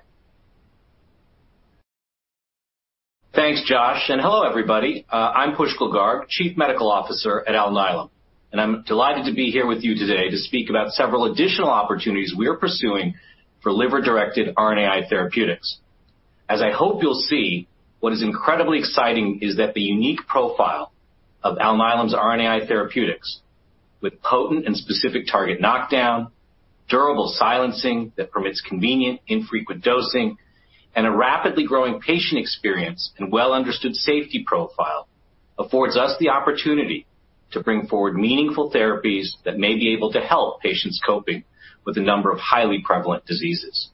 Thanks, Josh, and hello, everybody. I'm Pushkal Garg, Chief Medical Officer at Alnylam, and I'm delighted to be here with you today to speak about several additional opportunities we're pursuing for liver-directed RNAi therapeutics. As I hope you'll see, what is incredibly exciting is that the unique profile of Alnylam's RNAi therapeutics, with potent and specific target knockdown, durable silencing that permits convenient, infrequent dosing, and a rapidly growing patient experience and well-understood safety profile, affords us the opportunity to bring forward meaningful therapies that may be able to help patients coping with a number of highly prevalent diseases.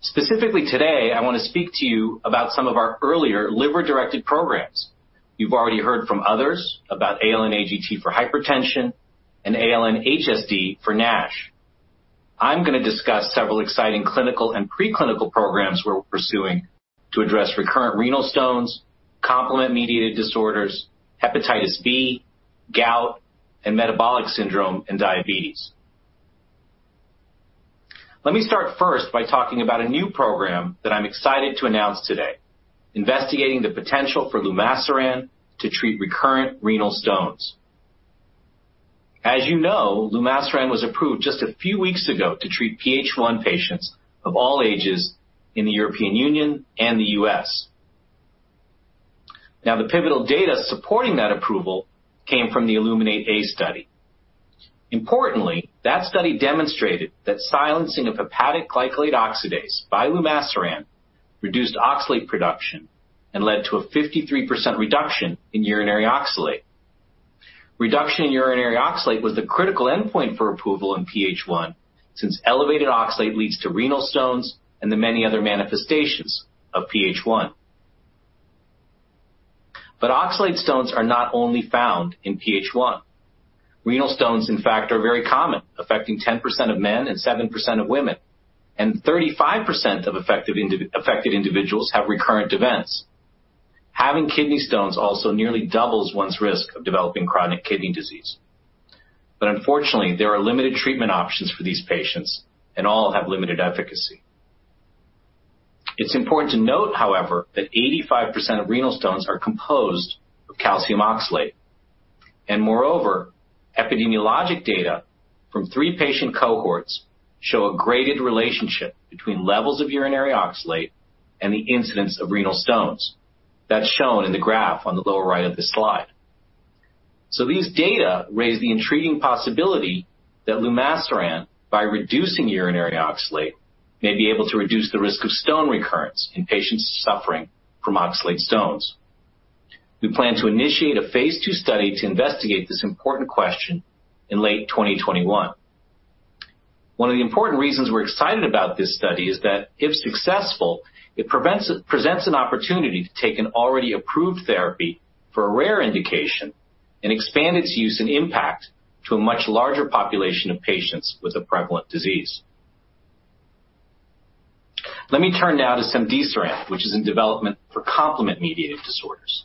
Specifically today, I want to speak to you about some of our earlier liver-directed programs. You've already heard from others about ALN-AGT for hypertension and ALN-HSD for NASH. I'm going to discuss several exciting clinical and preclinical programs we're pursuing to address recurrent renal stones, complement-mediated disorders, hepatitis B, gout, and metabolic syndrome and diabetes. Let me start first by talking about a new program that I'm excited to announce today, investigating the potential for lumasiran to treat recurrent renal stones. As you know, lumasiran was approved just a few weeks ago to treat PH1 patients of all ages in the European Union and the U.S. Now, the pivotal data supporting that approval came from the Illuminate-A study. Importantly, that study demonstrated that silencing of hepatic glycolate oxidase by lumasiran reduced oxalate production and led to a 53% reduction in urinary oxalate. Reduction in urinary oxalate was the critical endpoint for approval in PH1, since elevated oxalate leads to renal stones and the many other manifestations of PH1. But oxalate stones are not only found in PH1. Renal stones, in fact, are very common, affecting 10% of men and 7% of women, and 35% of affected individuals have recurrent events. Having kidney stones also nearly doubles one's risk of developing chronic kidney disease. But unfortunately, there are limited treatment options for these patients, and all have limited efficacy. It's important to note, however, that 85% of renal stones are composed of calcium oxalate, and moreover, epidemiologic data from three patient cohorts show a graded relationship between levels of urinary oxalate and the incidence of renal stones. That's shown in the graph on the lower right of this slide. These data raise the intriguing possibility that lumasiran, by reducing urinary oxalate, may be able to reduce the risk of stone recurrence in patients suffering from oxalate stones. We plan to initiate a phase 2 study to investigate this important question in late 2021. One of the important reasons we're excited about this study is that, if successful, it presents an opportunity to take an already approved therapy for a rare indication and expand its use and impact to a much larger population of patients with a prevalent disease. Let me turn now to cemdisiran, which is in development for complement-mediated disorders.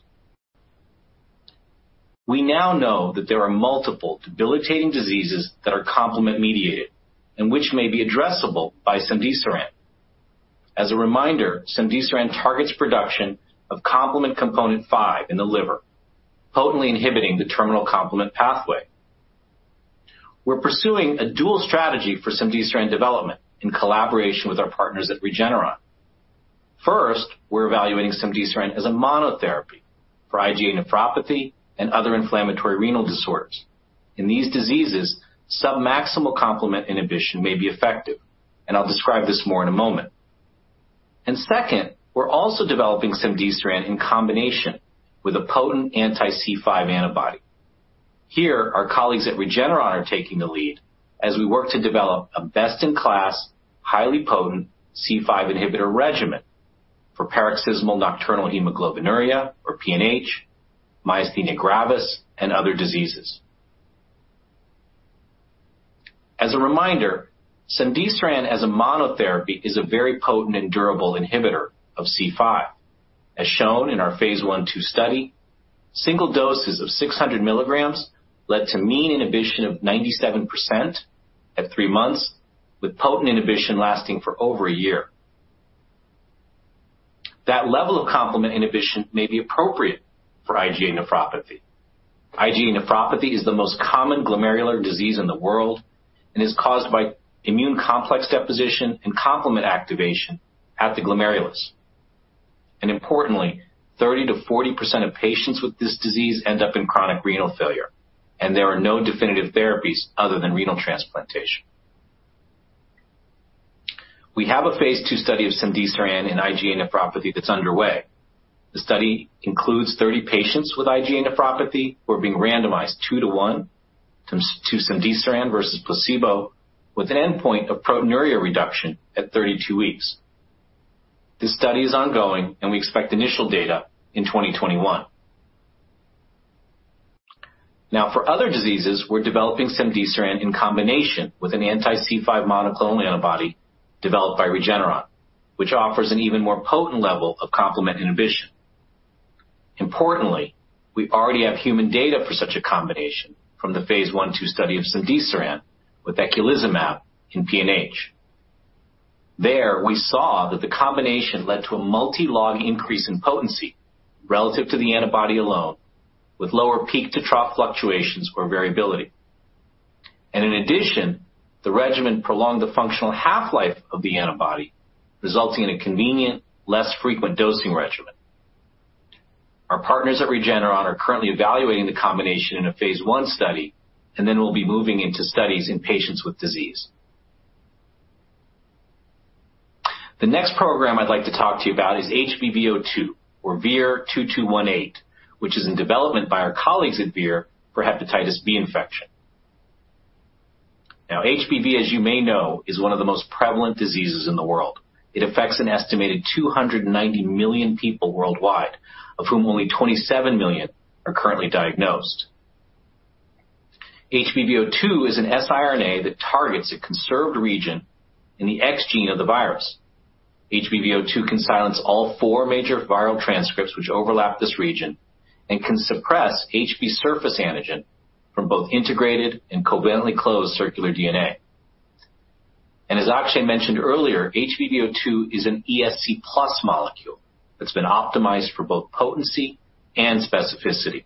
We now know that there are multiple debilitating diseases that are complement-mediated and which may be addressable by cemdisiran. As a reminder, cemdisiran targets production of complement component 5 in the liver, potently inhibiting the terminal complement pathway. We're pursuing a dual strategy for Cemdisiran development in collaboration with our partners at Regeneron. First, we're evaluating Cemdisiran as a monotherapy for IgA nephropathy and other inflammatory renal disorders. In these diseases, submaximal complement inhibition may be effective, and I'll describe this more in a moment, and second, we're also developing Cemdisiran in combination with a potent anti-C5 antibody. Here, our colleagues at Regeneron are taking the lead as we work to develop a best-in-class, highly potent C5 inhibitor regimen for paroxysmal nocturnal hemoglobinuria, or PNH, myasthenia gravis, and other diseases. As a reminder, Cemdisiran as a monotherapy is a very potent and durable inhibitor of C5, as shown in our phase 1/2 study. Single doses of 600 milligrams led to mean inhibition of 97% at three months, with potent inhibition lasting for over a year. That level of complement inhibition may be appropriate for IgA nephropathy. IgA nephropathy is the most common glomerular disease in the world and is caused by immune complex deposition and complement activation at the glomerulus, and importantly, 30%-40% of patients with this disease end up in chronic renal failure, and there are no definitive therapies other than renal transplantation. We have a phase 2 study of cemdisiran in IgA nephropathy that's underway. The study includes 30 patients with IgA nephropathy who are being randomized two to one to cemdisiran versus placebo, with an endpoint of proteinuria reduction at 32 weeks. This study is ongoing, and we expect initial data in 2021. Now, for other diseases, we're developing cemdisiran in combination with an anti-C5 monoclonal antibody developed by Regeneron, which offers an even more potent level of complement inhibition. Importantly, we already have human data for such a combination from the phase 1/2 study of Cemdisiran with eculizumab in PNH. There, we saw that the combination led to a multi-log increase in potency relative to the antibody alone, with lower peak-to-trough fluctuations or variability. In addition, the regimen prolonged the functional half-life of the antibody, resulting in a convenient, less frequent dosing regimen. Our partners at Regeneron are currently evaluating the combination in a phase 1 study, and then we'll be moving into studies in patients with disease. The next program I'd like to talk to you about is HBV02, or VIR-2218, which is in development by our colleagues at Vir for hepatitis B infection. Now, HBV, as you may know, is one of the most prevalent diseases in the world. It affects an estimated 290 million people worldwide, of whom only 27 million are currently diagnosed. HBV02 is an siRNA that targets a conserved region in the X gene of the Virus. HBV02 can silence all four major Viral transcripts which overlap this region and can suppress HB surface antigen from both integrated and covalently closed circular DNA. And as Akshay mentioned earlier, HBV02 is an ESC+ molecule that's been optimized for both potency and specificity.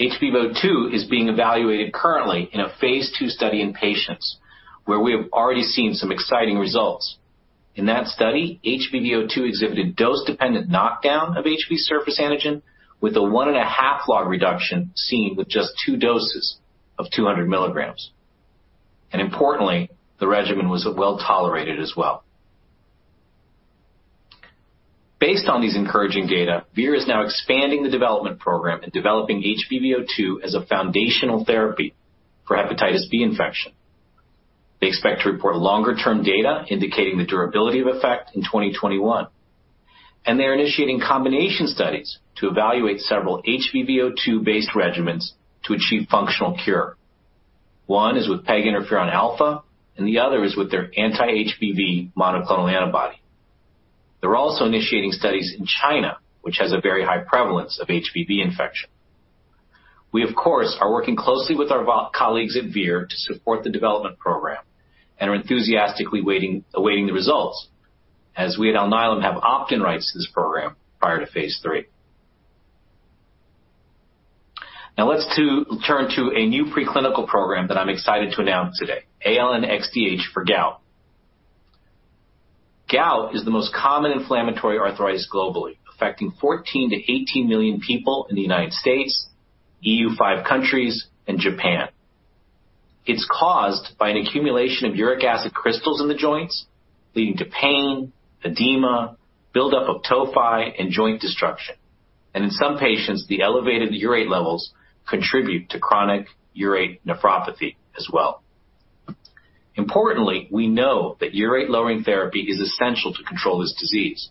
HBV02 is being evaluated currently in a phase two study in patients, where we have already seen some exciting results. In that study, HBV02 exhibited dose-dependent knockdown of HB surface antigen, with a one and a half log reduction seen with just two doses of 200 milligrams. And importantly, the regimen was well tolerated as well. Based on these encouraging data, Vir is now expanding the development program and developing HBV02 as a foundational therapy for hepatitis B infection. They expect to report longer-term data indicating the durability of effect in 2021, and they're initiating combination studies to evaluate several HBV02-based regimens to achieve functional cure. One is with PEG interferon alpha, and the other is with their anti-HBV monoclonal antibody. They're also initiating studies in China, which has a very high prevalence of HBV infection. We, of course, are working closely with our colleagues at Vir to support the development program and are enthusiastically awaiting the results, as we at Alnylam have opt-in rights to this program prior to phase three. Now, let's turn to a new preclinical program that I'm excited to announce today, ALN-XDH for gout. Gout is the most common inflammatory arthritis globally, affecting 14-18 million people in the United States, EU five countries, and Japan. It's caused by an accumulation of uric acid crystals in the joints, leading to pain, edema, buildup of tophi, and joint destruction. In some patients, the elevated urate levels contribute to chronic urate nephropathy as well. Importantly, we know that urate-lowering therapy is essential to control this disease.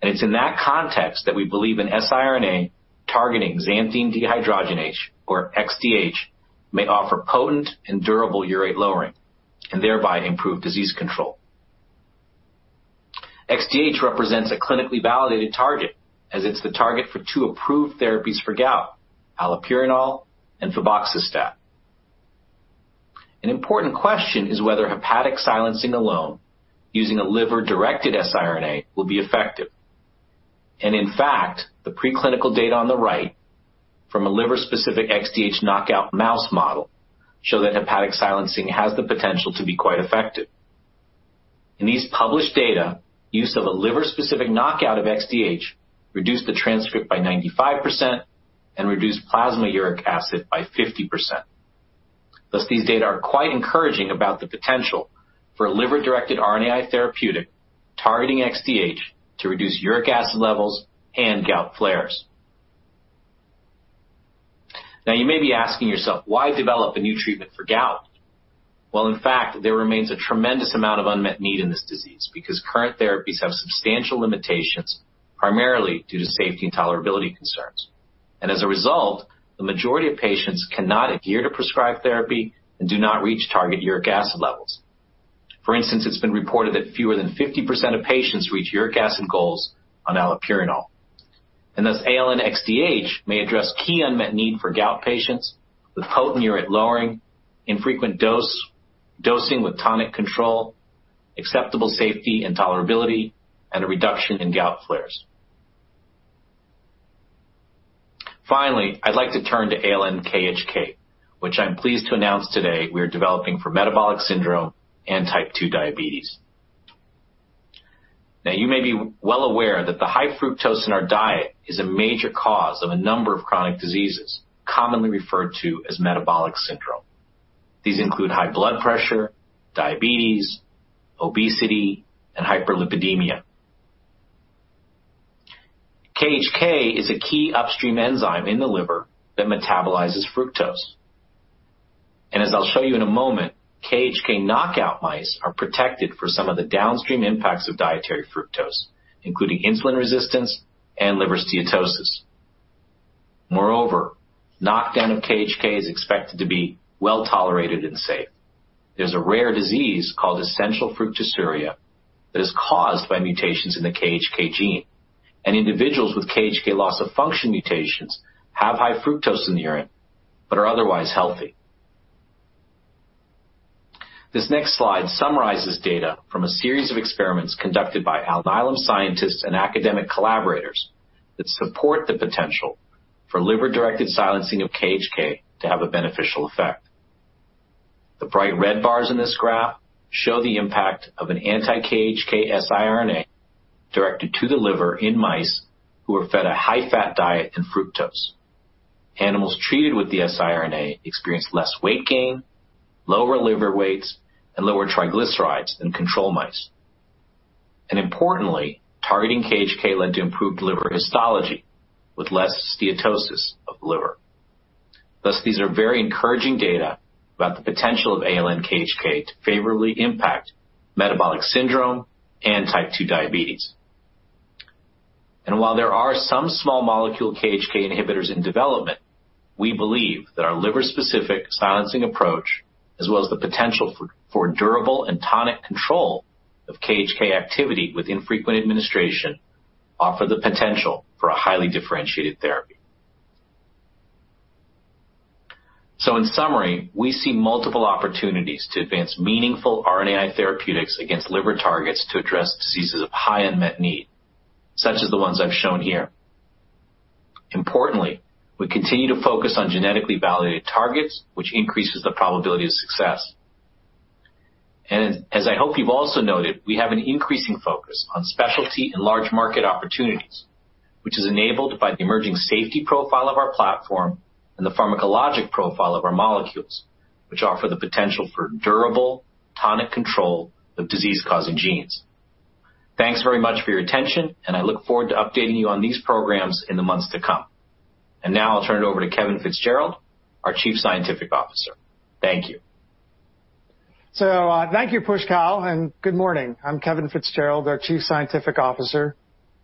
It's in that context that we believe an siRNA targeting xanthine dehydrogenase, or XDH, may offer potent and durable urate lowering and thereby improve disease control. XDH represents a clinically validated target, as it's the target for two approved therapies for gout, allopurinol and febuxostat. An important question is whether hepatic silencing alone using a liver-directed siRNA will be effective. In fact, the preclinical data on the right from a liver-specific XDH knockout mouse model show that hepatic silencing has the potential to be quite effective. In these published data, use of a liver-specific knockout of XDH reduced the transcript by 95% and reduced plasma uric acid by 50%. Thus, these data are quite encouraging about the potential for a liver-directed RNAi therapeutic targeting XDH to reduce uric acid levels and gout flares. Now, you may be asking yourself, why develop a new treatment for gout? Well, in fact, there remains a tremendous amount of unmet need in this disease because current therapies have substantial limitations, primarily due to safety and tolerability concerns. And as a result, the majority of patients cannot adhere to prescribed therapy and do not reach target uric acid levels. For instance, it's been reported that fewer than 50% of patients reach uric acid goals on allopurinol. And thus, ALN-XDH may address key unmet need for gout patients with potent urate lowering, infrequent dosing with tonic control, acceptable safety and tolerability, and a reduction in gout flares. Finally, I'd like to turn to ALN-KHK, which I'm pleased to announce today we are developing for metabolic syndrome and type 2 diabetes. Now, you may be well aware that the high fructose in our diet is a major cause of a number of chronic diseases commonly referred to as metabolic syndrome. These include high blood pressure, diabetes, obesity, and hyperlipidemia. KHK is a key upstream enzyme in the liver that metabolizes fructose. And as I'll show you in a moment, KHK knockout mice are protected for some of the downstream impacts of dietary fructose, including insulin resistance and liver steatosis. Moreover, knockdown of KHK is expected to be well tolerated and safe. There's a rare disease called essential fructosuria that is caused by mutations in the KHK gene, and individuals with KHK loss of function mutations have high fructose in the urine but are otherwise healthy. This next slide summarizes data from a series of experiments conducted by Alnylam scientists and academic collaborators that support the potential for liver-directed silencing of KHK to have a beneficial effect. The bright red bars in this graph show the impact of an anti-KHK siRNA directed to the liver in mice who were fed a high-fat diet and fructose. Animals treated with the siRNA experienced less weight gain, lower liver weights, and lower triglycerides than control mice, and importantly, targeting KHK led to improved liver histology with less steatosis of the liver. Thus, these are very encouraging data about the potential of ALN-KHK to favorably impact metabolic syndrome and type 2 diabetes. While there are some small molecule KHK inhibitors in development, we believe that our liver-specific silencing approach, as well as the potential for durable and tonic control of KHK activity with infrequent administration, offer the potential for a highly differentiated therapy. In summary, we see multiple opportunities to advance meaningful RNAi therapeutics against liver targets to address diseases of high unmet need, such as the ones I've shown here. Importantly, we continue to focus on genetically validated targets, which increases the probability of success. As I hope you've also noted, we have an increasing focus on specialty and large market opportunities, which is enabled by the emerging safety profile of our platform and the pharmacologic profile of our molecules, which offer the potential for durable tonic control of disease-causing genes. Thanks very much for your attention, and I look forward to updating you on these programs in the months to come. And now I'll turn it over to Kevin Fitzgerald, our Chief Scientific Officer. Thank you. So thank you, Pushkal, and good morning. I'm Kevin Fitzgerald, our Chief Scientific Officer.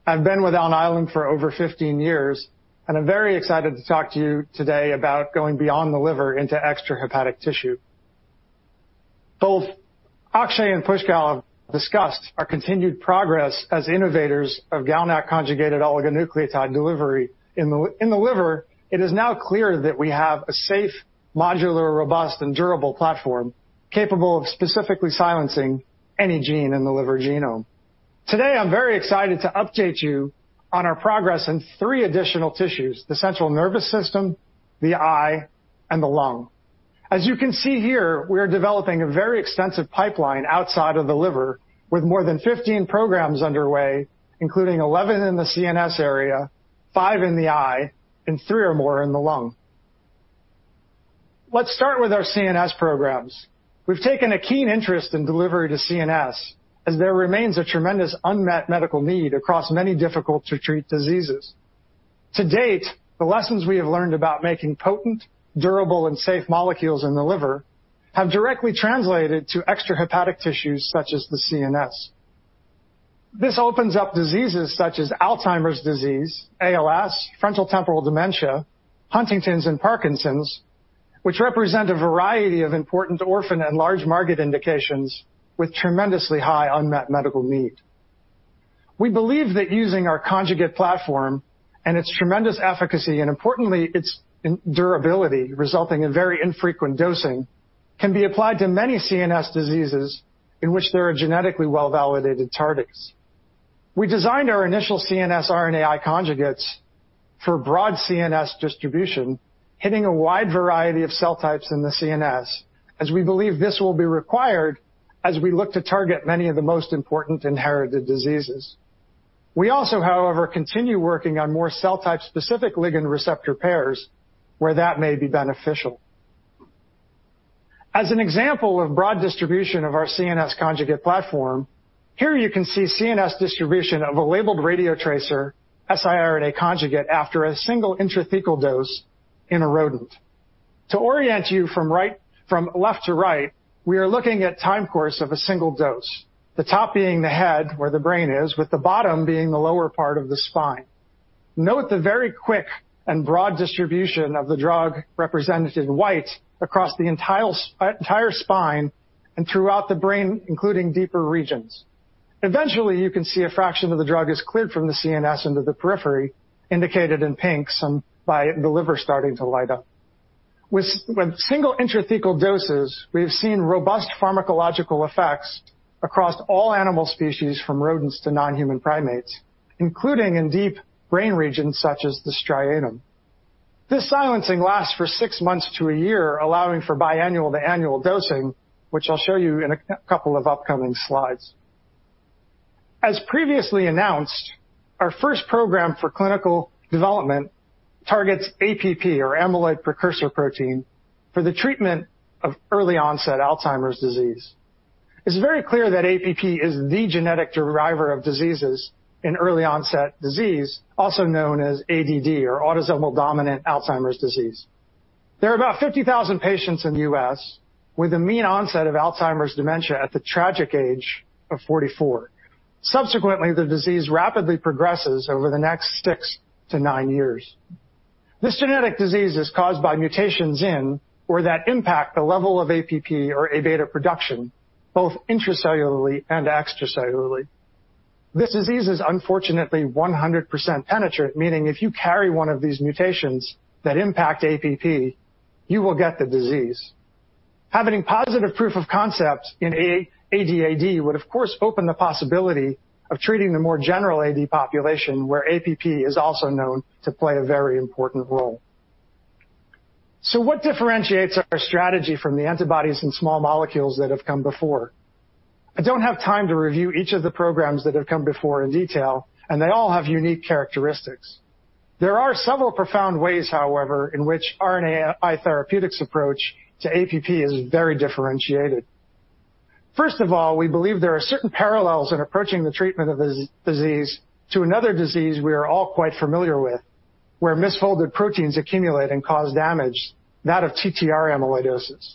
I've been with Alnylam for over 15 years, and I'm very excited to talk to you today about going beyond the liver into extrahepatic tissue. Both Akshay and Pushkal have discussed our continued progress as innovators of gout and conjugated oligonucleotide delivery. In the liver, it is now clear that we have a safe, modular, robust, and durable platform capable of specifically silencing any gene in the liver genome. Today, I'm very excited to update you on our progress in three additional tissues: the central nervous system, the eye, and the lung. As you can see here, we are developing a very extensive pipeline outside of the liver with more than 15 programs underway, including 11 in the CNS area, 5 in the eye, and 3 or more in the lung. Let's start with our CNS programs. We've taken a keen interest in delivery to CNS as there remains a tremendous unmet medical need across many difficult-to-treat diseases. To date, the lessons we have learned about making potent, durable, and safe molecules in the liver have directly translated to extra hepatic tissues such as the CNS. This opens up diseases such as Alzheimer's disease, ALS, frontotemporal dementia, Huntington's, and Parkinson's, which represent a variety of important orphan and large-market indications with tremendously high unmet medical need. We believe that using our conjugate platform and its tremendous efficacy and, importantly, its durability, resulting in very infrequent dosing, can be applied to many CNS diseases in which there are genetically well-validated targets. We designed our initial CNS RNAi conjugates for broad CNS distribution, hitting a wide variety of cell types in the CNS, as we believe this will be required as we look to target many of the most important inherited diseases. We also, however, continue working on more cell-type specific ligand receptor pairs where that may be beneficial. As an example of broad distribution of our CNS conjugate platform, here you can see CNS distribution of a labeled radiotracer siRNA conjugate after a single intrathecal dose in a rodent. To orient you from left to right, we are looking at time course of a single dose, the top being the head where the brain is, with the bottom being the lower part of the spine. Note the very quick and broad distribution of the drug represented in white across the entire spine and throughout the brain, including deeper regions. Eventually, you can see a fraction of the drug is cleared from the CNS into the periphery, indicated in pink by the liver starting to light up. With single intrathecal doses, we have seen robust pharmacological effects across all animal species, from rodents to non-human primates, including in deep brain regions such as the striatum. This silencing lasts for six months to a year, allowing for biannual to annual dosing, which I'll show you in a couple of upcoming slides. As previously announced, our first program for clinical development targets APP, or amyloid precursor protein, for the treatment of early-onset Alzheimer's disease. It's very clear that APP is the genetic driver of diseases in early-onset disease, also known as ADAD, or autosomal dominant Alzheimer's disease. There are about 50,000 patients in the U.S. with a mean onset of Alzheimer's dementia at the tragic age of 44. Subsequently, the disease rapidly progresses over the next six to nine years. This genetic disease is caused by mutations in or that impact the level of APP, or A-beta production, both intracellularly and extracellularly. This disease is unfortunately 100% penetrant, meaning if you carry one of these mutations that impact APP, you will get the disease. Having positive proof of concept in ADAD would, of course, open the possibility of treating the more general AD population, where APP is also known to play a very important role. So what differentiates our strategy from the antibodies and small molecules that have come before? I don't have time to review each of the programs that have come before in detail, and they all have unique characteristics. There are several profound ways, however, in which RNAi therapeutics approach to APP is very differentiated. First of all, we believe there are certain parallels in approaching the treatment of this disease to another disease we are all quite familiar with, where misfolded proteins accumulate and cause damage, that of TTR amyloidosis.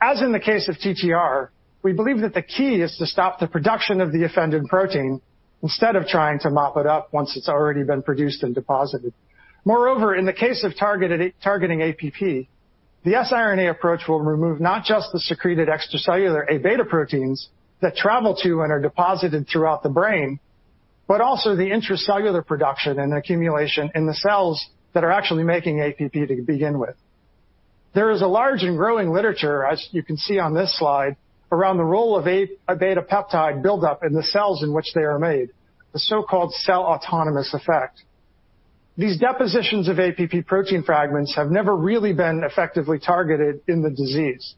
As in the case of TTR, we believe that the key is to stop the production of the offending protein instead of trying to mop it up once it's already been produced and deposited. Moreover, in the case of targeting APP, the siRNA approach will remove not just the secreted extracellular A-beta proteins that travel to and are deposited throughout the brain, but also the intracellular production and accumulation in the cells that are actually making APP to begin with. There is a large and growing literature, as you can see on this slide, around the role of Aβ peptide buildup in the cells in which they are made, the so-called cell autonomous effect. These depositions of APP protein fragments have never really been effectively targeted in the disease.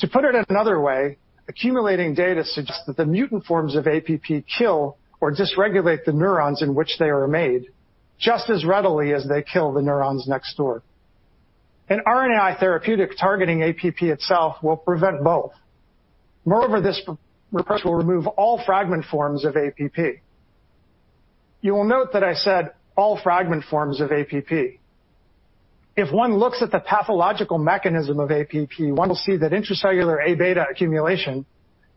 To put it in another way, accumulating data suggests that the mutant forms of APP kill or dysregulate the neurons in which they are made, just as readily as they kill the neurons next door. An RNAi therapeutic targeting APP itself will prevent both. Moreover, this approach will remove all fragment forms of APP. You will note that I said all fragment forms of APP. If one looks at the pathological mechanism of APP, one will see that intracellular A-beta accumulation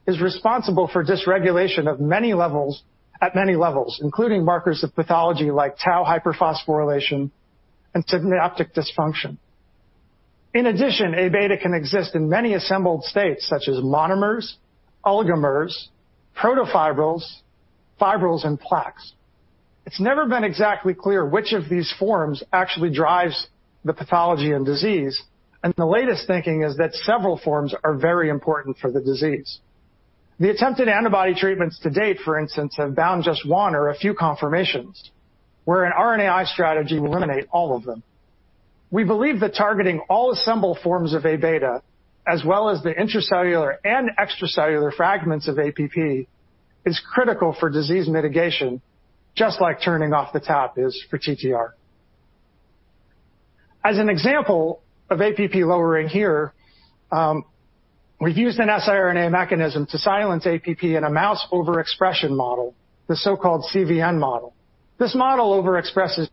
is responsible for dysregulation of many levels at many levels, including markers of pathology like tau hyperphosphorylation and synaptic dysfunction. In addition, A-beta can exist in many assembled states, such as monomers, oligomers, protofibrils, fibrils, and plaques. It's never been exactly clear which of these forms actually drives the pathology and disease, and the latest thinking is that several forms are very important for the disease. The attempted antibody treatments to date, for instance, have bound just one or a few conformations, where an RNAi strategy will eliminate all of them. We believe that targeting all assembled forms of A-beta, as well as the intracellular and extracellular fragments of APP, is critical for disease mitigation, just like turning off the tap is for TTR. As an example of APP lowering here, we've used an siRNA mechanism to silence APP in a mouse overexpression model, the so-called CVN model. This model overexpresses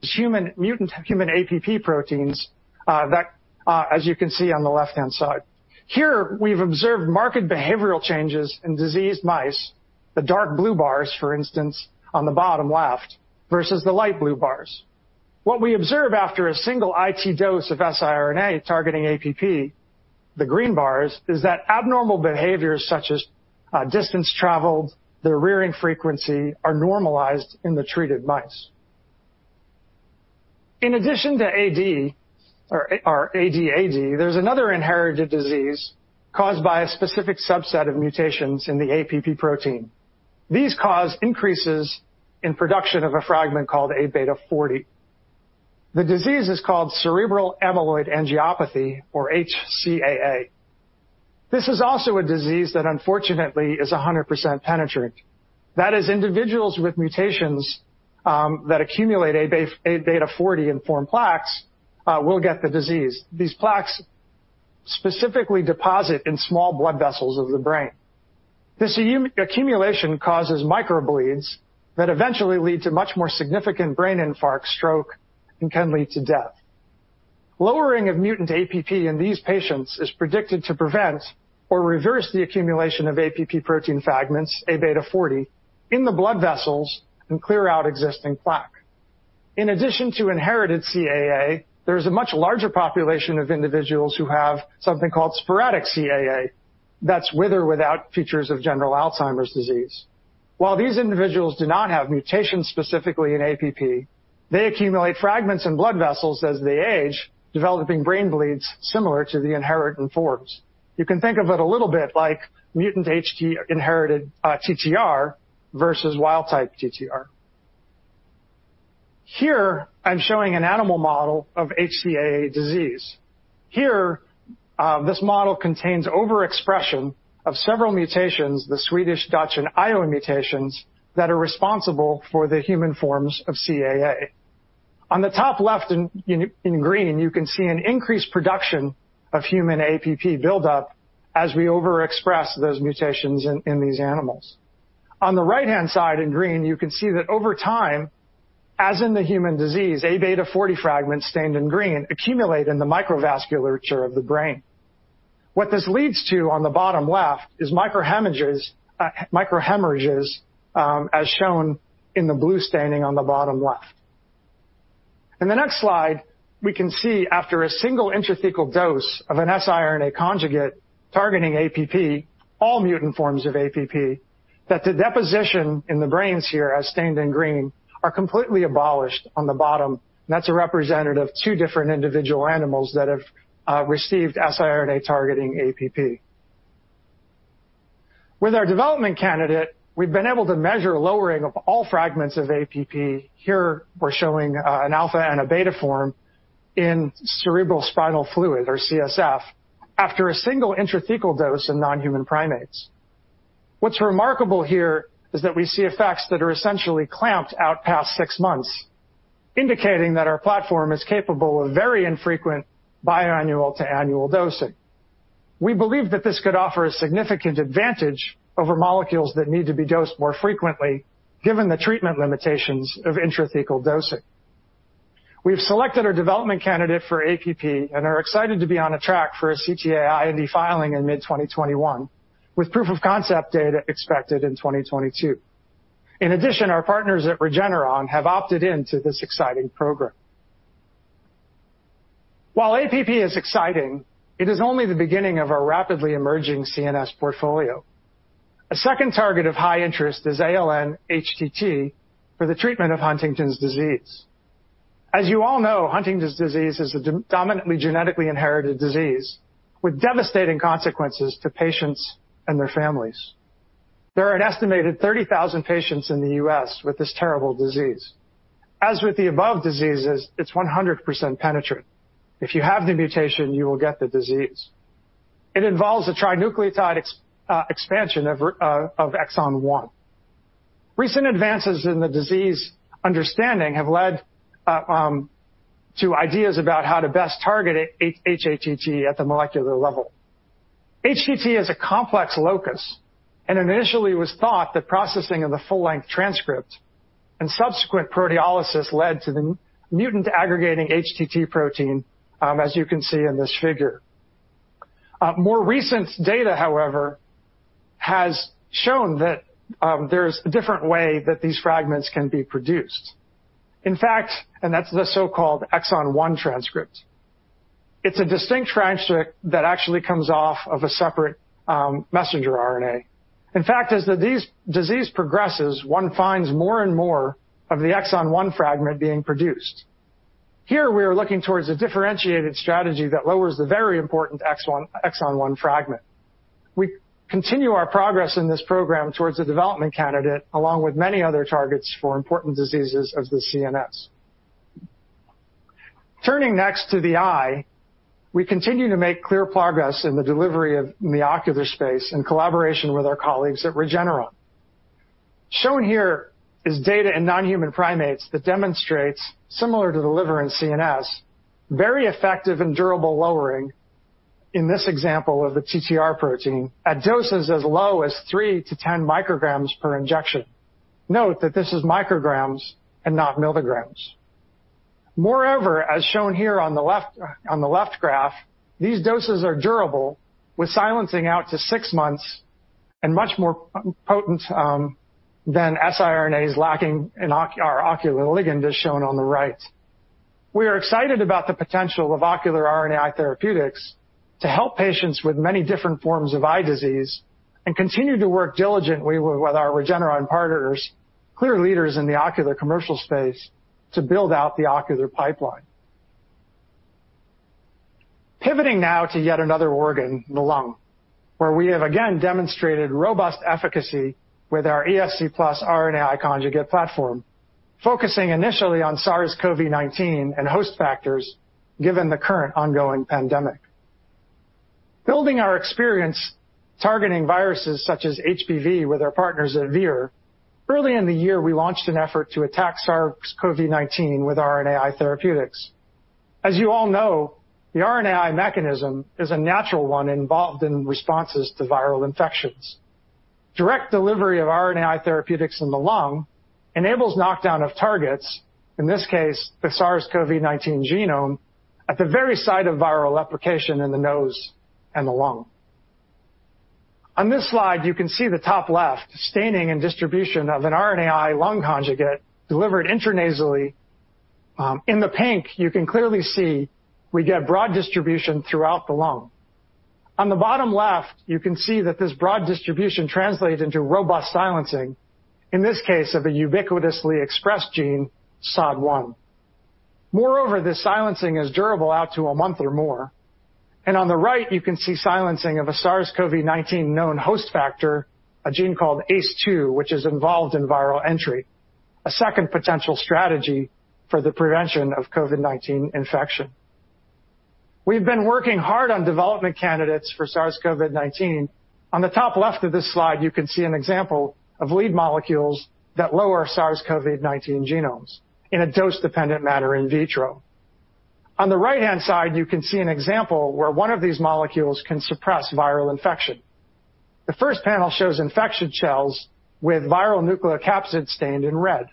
mutant human APP proteins that, as you can see on the left-hand side. Here, we've observed marked behavioral changes in diseased mice, the dark blue bars, for instance, on the bottom left, versus the light blue bars. What we observe after a single IT dose of siRNA targeting APP, the green bars, is that abnormal behaviors such as distance traveled, the rearing frequency, are normalized in the treated mice. In addition to AD or ADAD, there's another inherited disease caused by a specific subset of mutations in the APP protein. These cause increases in production of a fragment called A-beta 40. The disease is called cerebral amyloid angiopathy, or CAA. This is also a disease that, unfortunately, is 100% penetrant. That is, individuals with mutations that accumulate A-beta 40 and form plaques will get the disease. These plaques specifically deposit in small blood vessels of the brain. This accumulation causes microbleeds that eventually lead to much more significant brain infarcts, stroke, and can lead to death. Lowering of mutant APP in these patients is predicted to prevent or reverse the accumulation of APP protein fragments, A-beta 40, in the blood vessels and clear out existing plaque. In addition to inherited CAA, there is a much larger population of individuals who have something called sporadic CAA that's with or without features of general Alzheimer's disease. While these individuals do not have mutations specifically in APP, they accumulate fragments in blood vessels as they age, developing brain bleeds similar to the inherited forms. You can think of it a little bit like mutant HTT inherited TTR versus wild-type TTR. Here, I'm showing an animal model of hCAA disease. Here, this model contains overexpression of several mutations, the Swedish, Dutch, and Iowa mutations that are responsible for the human forms of CAA. On the top left in green, you can see an increased production of human APP buildup as we overexpress those mutations in these animals. On the right-hand side in green, you can see that over time, as in the human disease, A-beta 40 fragments stained in green accumulate in the microvasculature of the brain. What this leads to on the bottom left is microhemorrhages, as shown in the blue staining on the bottom left. In the next slide, we can see after a single intrathecal dose of an siRNA conjugate targeting APP, all mutant forms of APP, that the deposition in the brains here, as stained in green, are completely abolished on the bottom. That's a representative of two different individual animals that have received siRNA targeting APP. With our development candidate, we've been able to measure lowering of all fragments of APP. Here, we're showing an alpha and a beta form in cerebrospinal fluid, or CSF, after a single intrathecal dose in non-human primates. What's remarkable here is that we see effects that are essentially clamped out past six months, indicating that our platform is capable of very infrequent biannual to annual dosing. We believe that this could offer a significant advantage over molecules that need to be dosed more frequently, given the treatment limitations of intrathecal dosing. We've selected our development candidate for APP and are excited to be on a track for a CTA and IND filing in mid-2021, with proof of concept data expected in 2022. In addition, our partners at Regeneron have opted into this exciting program. While APP is exciting, it is only the beginning of a rapidly emerging CNS portfolio. A second target of high interest is ALN-HTT for the treatment of Huntington's disease. As you all know, Huntington's disease is a dominantly genetically inherited disease with devastating consequences to patients and their families. There are an estimated 30,000 patients in the U.S. with this terrible disease. As with the above diseases, it's 100% penetrant. If you have the mutation, you will get the disease. It involves a trinucleotide expansion of exon 1. Recent advances in the disease understanding have led to ideas about how to best target HTT at the molecular level. HTT is a complex locus, and initially, it was thought that processing of the full-length transcript and subsequent proteolysis led to the mutant aggregating HTT protein, as you can see in this figure. More recent data, however, has shown that there is a different way that these fragments can be produced. In fact, and that's the so-called exon 1 transcript. It's a distinct transcript that actually comes off of a separate messenger RNA. In fact, as the disease progresses, one finds more and more of the exon 1 fragment being produced. Here, we are looking towards a differentiated strategy that lowers the very important exon 1 fragment. We continue our progress in this program towards the development candidate, along with many other targets for important diseases of the CNS. Turning next to the eye, we continue to make clear progress in the delivery to the ocular space in collaboration with our colleagues at Regeneron. Shown here is data in non-human primates that demonstrates, similar to the liver and CNS, very effective and durable lowering in this example of the TTR protein at doses as low as three to 10 micrograms per injection. Note that this is micrograms and not milligrams. Moreover, as shown here on the left graph, these doses are durable, with silencing out to six months and much more potent than siRNAs lacking in our ocular ligand, as shown on the right. We are excited about the potential of ocular RNAi therapeutics to help patients with many different forms of eye disease and continue to work diligently with our Regeneron partners, clear leaders in the ocular commercial space, to build out the ocular pipeline. Pivoting now to yet another organ, the lung, where we have again demonstrated robust efficacy with our ESC+ RNAi conjugate platform, focusing initially on SARS-CoV-2 and host factors given the current ongoing pandemic. Building our experience targeting Viruses such as HPV with our partners at Vir, early in the year, we launched an effort to attack SARS-CoV-2 with RNAi therapeutics. As you all know, the RNAi mechanism is a natural one involved in responses to Viral infections. Direct delivery of RNAi therapeutics in the lung enables knockdown of targets, in this case, the SARS-CoV-2 genome, at the very site of Viral application in the nose and the lung. On this slide, you can see the top left staining and distribution of an RNAi lung conjugate delivered intranasally. In the pink, you can clearly see we get broad distribution throughout the lung. On the bottom left, you can see that this broad distribution translates into robust silencing, in this case, of a ubiquitously expressed gene, SOD1. Moreover, this silencing is durable out to a month or more. And on the right, you can see silencing of a SARS-CoV-2 known host factor, a gene called ACE2, which is involved in Viral entry, a second potential strategy for the prevention of COVID-19 infection. We've been working hard on development candidates for SARS-CoV-2. On the top left of this slide, you can see an example of lead molecules that lower SARS-CoV-2 genomes in a dose-dependent manner in vitro. On the right-hand side, you can see an example where one of these molecules can suppress Viral infection. The first panel shows infection cells with Viral nucleocapsid stained in red.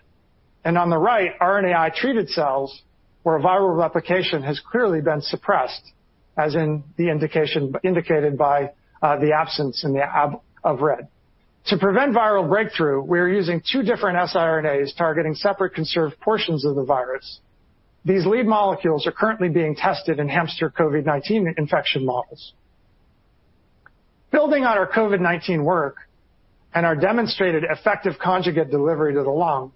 On the right, RNAi treated cells where Viral replication has clearly been suppressed, as indicated by the absence of the above red. To prevent Viral breakthrough, we are using two different siRNAs targeting separate conserved portions of the Virus. These lead molecules are currently being tested in hamster COVID-19 infection models. Building on our COVID-19 work and our demonstrated effective conjugate delivery to the lung,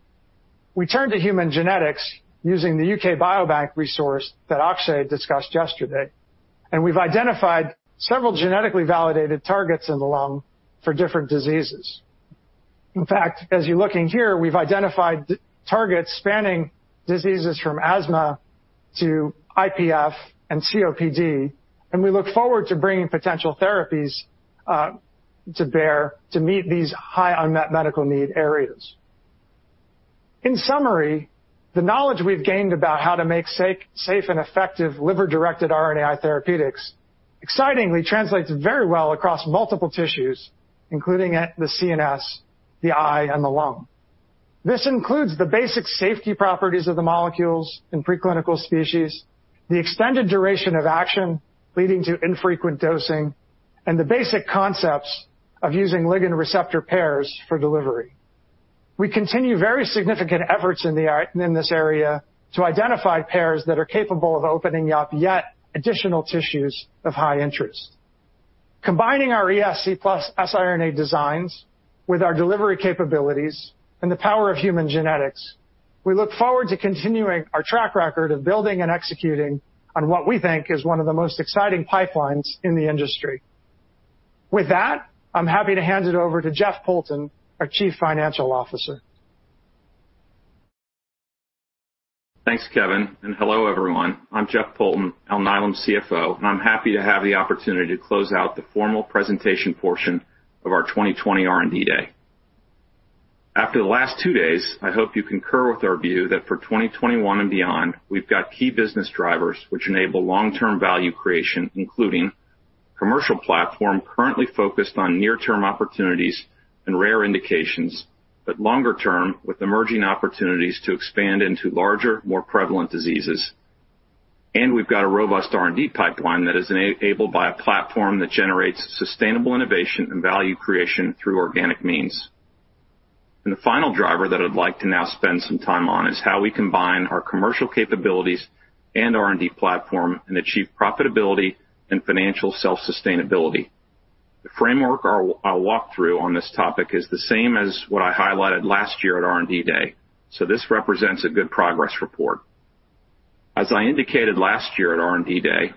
we turned to human genetics using the UK Biobank resource that Akshay discussed yesterday. We've identified several genetically validated targets in the lung for different diseases. In fact, as you're looking here, we've identified targets spanning diseases from asthma to IPF and COPD. We look forward to bringing potential therapies to bear to meet these high unmet medical need areas. In summary, the knowledge we've gained about how to make safe and effective liver-directed RNAi therapeutics excitingly translates very well across multiple tissues, including the CNS, the eye, and the lung. This includes the basic safety properties of the molecules in preclinical species, the extended duration of action leading to infrequent dosing, and the basic concepts of using ligand receptor pairs for delivery. We continue very significant efforts in this area to identify pairs that are capable of opening up yet additional tissues of high interest. Combining our ESC+ siRNA designs with our delivery capabilities and the power of human genetics, we look forward to continuing our track record of building and executing on what we think is one of the most exciting pipelines in the industry. With that, I'm happy to hand it over to Jeff Poulton, our Chief Financial Officer. Thanks, Kevin. And hello, everyone. I'm Jeff Poulton, Alnylam CFO, and I'm happy to have the opportunity to close out the formal presentation portion of our 2020 R&D Day. After the last two days, I hope you concur with our view that for 2021 and beyond, we've got key business drivers which enable long-term value creation, including commercial platform currently focused on near-term opportunities and rare indications, but longer-term with emerging opportunities to expand into larger, more prevalent diseases, and we've got a robust R&D pipeline that is enabled by a platform that generates sustainable innovation and value creation through organic means, and the final driver that I'd like to now spend some time on is how we combine our commercial capabilities and R&D platform and achieve profitability and financial self-sustainability. The framework I'll walk through on this topic is the same as what I highlighted last year at R&D Day. This represents a good progress report. As I indicated last year at R&D Day,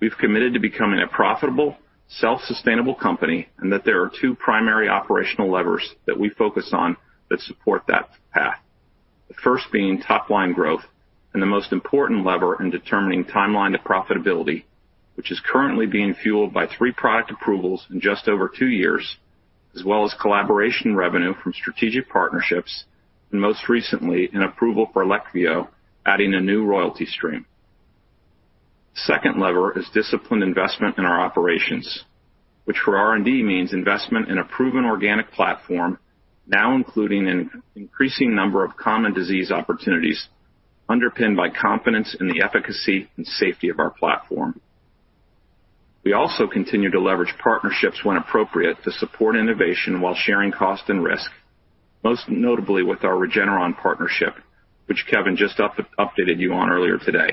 we've committed to becoming a profitable, self-sustainable company and that there are two primary operational levers that we focus on that support that path. The first being top-line growth and the most important lever in determining timeline of profitability, which is currently being fueled by three product approvals in just over two years, as well as collaboration revenue from strategic partnerships, and most recently, an approval for Leqvio, adding a new royalty stream. The second lever is disciplined investment in our operations, which for R&D means investment in a proven organic platform, now including an increasing number of common disease opportunities underpinned by confidence in the efficacy and safety of our platform. We also continue to leverage partnerships when appropriate to support innovation while sharing cost and risk, most notably with our Regeneron partnership, which Kevin just updated you on earlier today.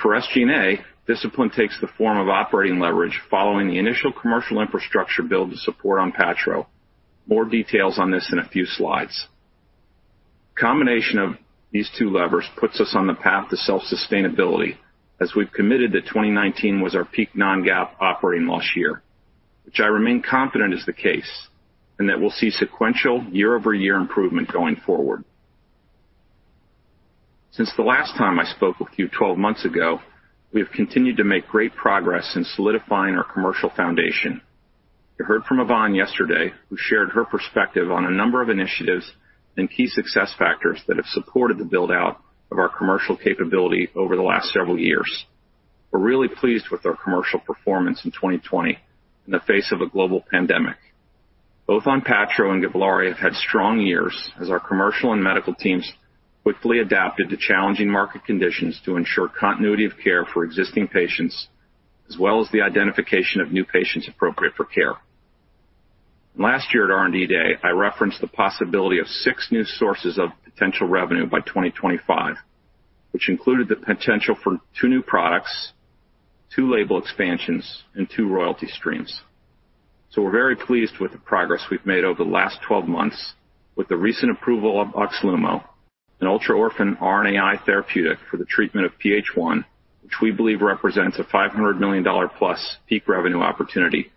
For SG&A, discipline takes the form of operating leverage following the initial commercial infrastructure build to support Onpattro. More details on this in a few slides. The combination of these two levers puts us on the path to self-sustainability, as we've committed that 2019 was our peak non-GAAP operating loss last year, which I remain confident is the case and that we'll see sequential year-over-year improvement going forward. Since the last time I spoke with you 12 months ago, we have continued to make great progress in solidifying our commercial foundation. You heard from Yvonne yesterday, who shared her perspective on a number of initiatives and key success factors that have supported the build-out of our commercial capability over the last several years. We're really pleased with our commercial performance in 2020 in the face of a global pandemic. Both Onpattro and Givlaari have had strong years as our commercial and medical teams quickly adapted to challenging market conditions to ensure continuity of care for existing patients, as well as the identification of new patients appropriate for care. Last year at R&D Day, I referenced the possibility of six new sources of potential revenue by 2025, which included the potential for two new products, two label expansions, and two royalty streams. So we're very pleased with the progress we've made over the last 12 months with the recent approval of Oxlumo, an ultra-orphan RNAi therapeutic for the treatment of PH1, which we believe represents a $500 million-plus peak revenue opportunity,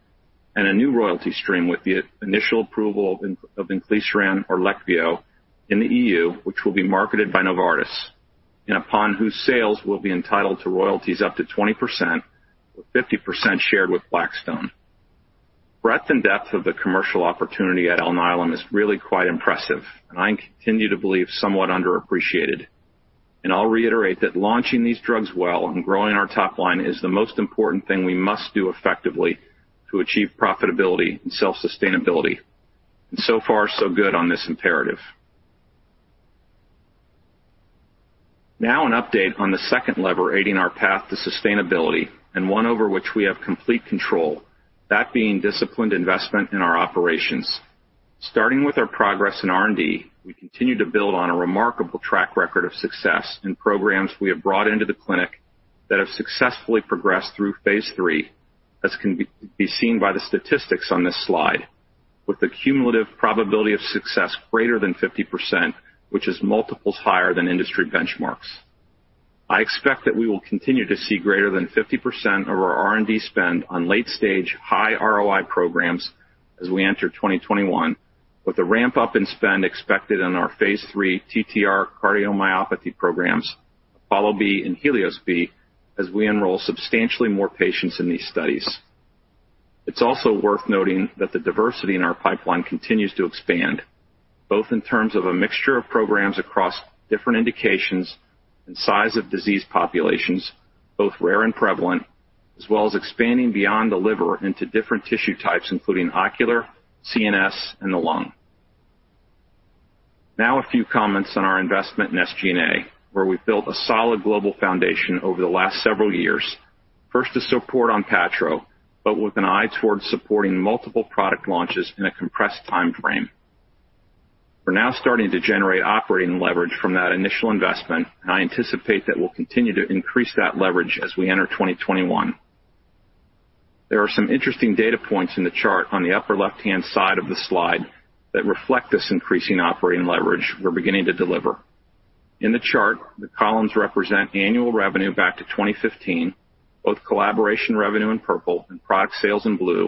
and a new royalty stream with the initial approval of inclisiran or Leqvio in the EU, which will be marketed by Novartis, and upon whose sales we will be entitled to royalties up to 20%, with 50% shared with Blackstone. Breadth and depth of the commercial opportunity at Alnylam is really quite impressive, and I continue to believe somewhat underappreciated. And I'll reiterate that launching these drugs well and growing our top line is the most important thing we must do effectively to achieve profitability and self-sustainability. And so far, so good on this imperative. Now, an update on the second lever aiding our path to sustainability and one over which we have complete control, that being disciplined investment in our operations. Starting with our progress in R&D, we continue to build on a remarkable track record of success in programs we have brought into the clinic that have successfully progressed through phase 3, as can be seen by the statistics on this slide, with a cumulative probability of success greater than 50%, which is multiples higher than industry benchmarks. I expect that we will continue to see greater than 50% of our R&D spend on late-stage high ROI programs as we enter 2021, with a ramp-up in spend expected in our phase 3 TTR cardiomyopathy programs, APOLLO-B, and HELIOS-B as we enroll substantially more patients in these studies. It's also worth noting that the diversity in our pipeline continues to expand, both in terms of a mixture of programs across different indications and size of disease populations, both rare and prevalent, as well as expanding beyond the liver into different tissue types, including ocular, CNS, and the lung. Now, a few comments on our investment in SG&A, where we've built a solid global foundation over the last several years, first to support Onpattro, but with an eye towards supporting multiple product launches in a compressed time frame. We're now starting to generate operating leverage from that initial investment, and I anticipate that we'll continue to increase that leverage as we enter 2021. There are some interesting data points in the chart on the upper left-hand side of the slide that reflect this increasing operating leverage we're beginning to deliver. In the chart, the columns represent annual revenue back to 2015, both collaboration revenue in purple and product sales in blue,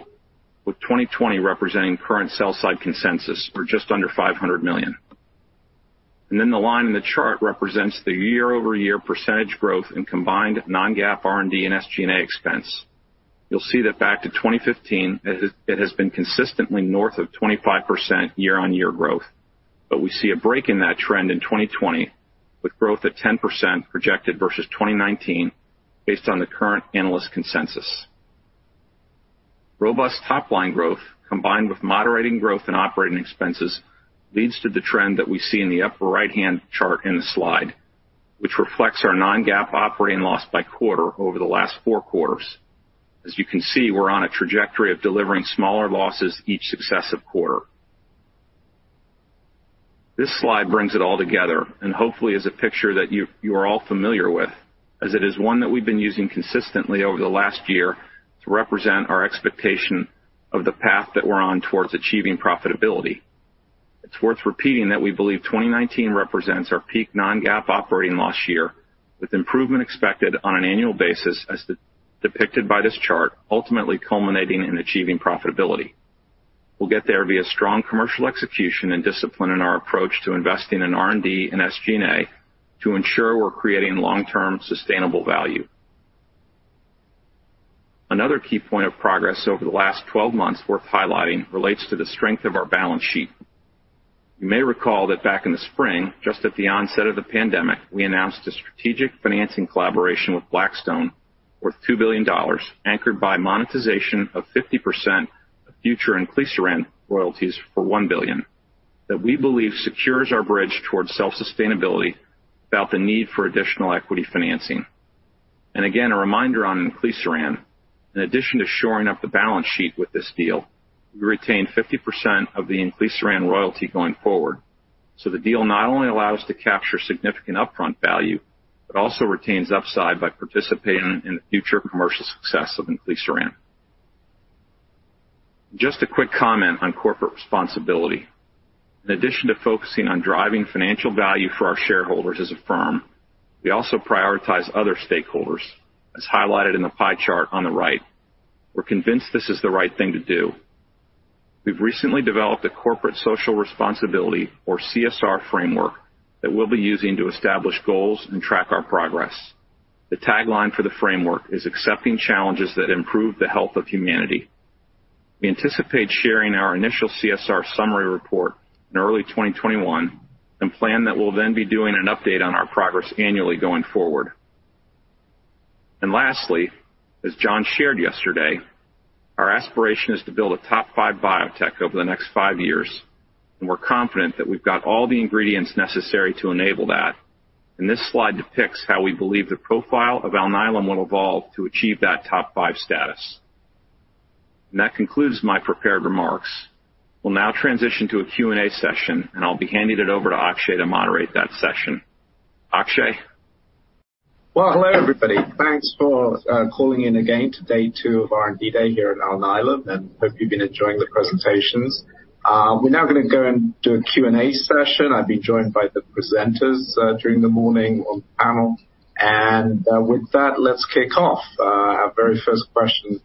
with 2020 representing current sell-side consensus or just under $500 million. And then the line in the chart represents the year-over-year percentage growth in combined non-GAAP R&D and SG&A expense. You'll see that back to 2015, it has been consistently north of 25% year-on-year growth. But we see a break in that trend in 2020, with growth at 10% projected versus 2019, based on the current analyst consensus. Robust top-line growth, combined with moderating growth in operating expenses, leads to the trend that we see in the upper right-hand chart in the slide, which reflects our non-GAAP operating loss by quarter over the last four quarters. As you can see, we're on a trajectory of delivering smaller losses each successive quarter. This slide brings it all together and hopefully is a picture that you are all familiar with, as it is one that we've been using consistently over the last year to represent our expectation of the path that we're on towards achieving profitability. It's worth repeating that we believe 2019 represents our peak non-GAAP operating loss last year, with improvement expected on an annual basis, as depicted by this chart, ultimately culminating in achieving profitability. We'll get there via strong commercial execution and discipline in our approach to investing in R&D and SG&A to ensure we're creating long-term sustainable value. Another key point of progress over the last 12 months worth highlighting relates to the strength of our balance sheet. You may recall that back in the spring, just at the onset of the pandemic, we announced a strategic financing collaboration with Blackstone worth $2 billion, anchored by monetization of 50% of future inclisiran royalties for $1 billion, that we believe secures our bridge towards self-sustainability without the need for additional equity financing. And again, a reminder on inclisiran, in addition to shoring up the balance sheet with this deal, we retain 50% of the inclisiran royalty going forward. So the deal not only allows us to capture significant upfront value, but also retains upside by participating in the future commercial success of inclisiran. Just a quick comment on corporate responsibility. In addition to focusing on driving financial value for our shareholders as a firm, we also prioritize other stakeholders, as highlighted in the pie chart on the right. We're convinced this is the right thing to do. We've recently developed a corporate social responsibility, or CSR, framework that we'll be using to establish goals and track our progress. The tagline for the framework is, "Accepting challenges that improve the health of humanity." We anticipate sharing our initial CSR summary report in early 2021 and plan that we'll then be doing an update on our progress annually going forward. Lastly, as John shared yesterday, our aspiration is to build a top five biotech over the next five years. We're confident that we've got all the ingredients necessary to enable that. This slide depicts how we believe the profile of Alnylam will evolve to achieve that top five status. That concludes my prepared remarks. We'll now transition to a Q&A session, and I'll be handing it over to Akshay to moderate that session. Akshay. Hello, everybody. Thanks for calling in again today to our R&D Day here at Alnylam, and hope you've been enjoying the presentations. We're now going to go and do a Q&A session. I've been joined by the presenters during the morning on the panel. With that, let's kick off. Our very first question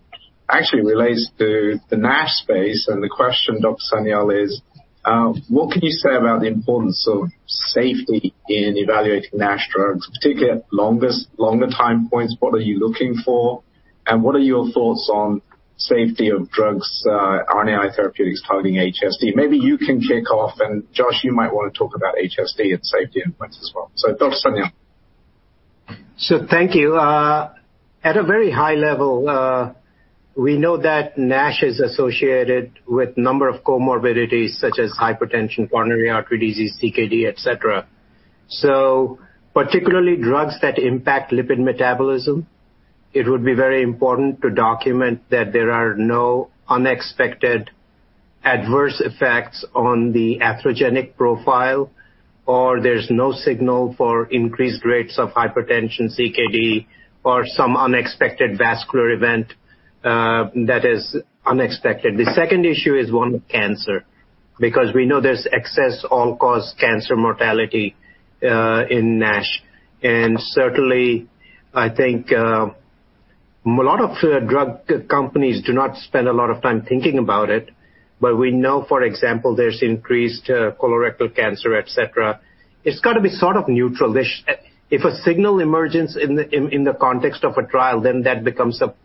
actually relates to the NASH space. The question, Dr. Sanyal, is, what can you say about the importance of safety in evaluating NASH drugs, particularly at longer time points? What are you looking for? What are your thoughts on safety of drugs, RNAi therapeutics targeting HSD? Maybe you can kick off. Josh, you might want to talk about HSD and safety inputs as well. Dr. Sanyal. Thank you. At a very high level, we know that NASH is associated with a number of comorbidities such as hypertension, coronary artery disease, CKD, et cetera. So particularly drugs that impact lipid metabolism, it would be very important to document that there are no unexpected adverse effects on the atherogenic profile, or there's no signal for increased rates of hypertension, CKD, or some unexpected vascular event that is unexpected. The second issue is one of cancer, because we know there's excess all-cause cancer mortality in NASH. And certainly, I think a lot of drug companies do not spend a lot of time thinking about it. But we know, for example, there's increased colorectal cancer, et cetera. It's got to be sort of neutral. If a signal emerges in the context of a trial, then that becomes a problem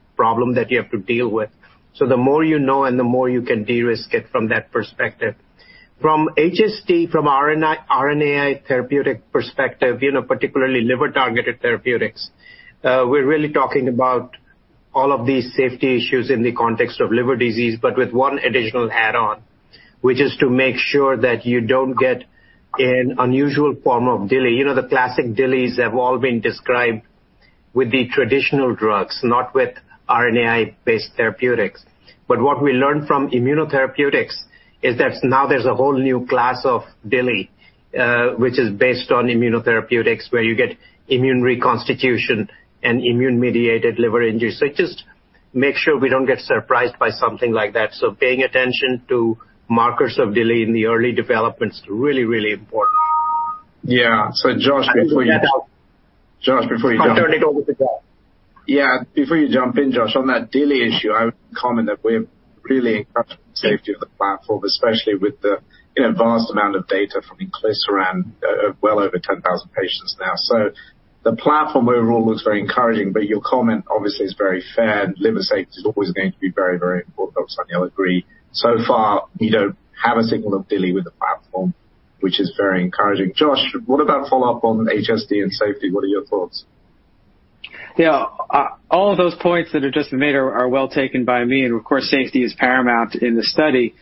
that you have to deal with. So the more you know and the more you can de-risk it from that perspective. From HSD, from RNAi therapeutic perspective, particularly liver-targeted therapeutics, we're really talking about all of these safety issues in the context of liver disease, but with one additional add-on, which is to make sure that you don't get an unusual form of DILI. The classic DILIs have all been described with the traditional drugs, not with RNAi-based therapeutics. But what we learned from immunotherapeutics is that now there's a whole new class of DILI, which is based on immunotherapeutics, where you get immune reconstitution and immune-mediated liver injury. So just make sure we don't get surprised by something like that. So paying attention to markers of DILI in the early development is really, really important. Yeah. So Josh, before you—Josh, before you jump—I'll turn it over to Josh. Yeah. Before you jump in, Josh, on that DILI issue, I would comment that we're really impressed with the safety of the platform, especially with the vast amount of data from Inclisiran, well over 10,000 patients now. So the platform overall looks very encouraging, but your comment, obviously, is very fair. And liver safety is always going to be very, very important. Dr. Sanyal agrees. So far, we don't have a signal of DILI with the platform, which is very encouraging. Josh, what about follow-up on HSD and safety? What are your thoughts? Yeah. All of those points that are just made are well taken by me. And of course, safety is paramount in the study.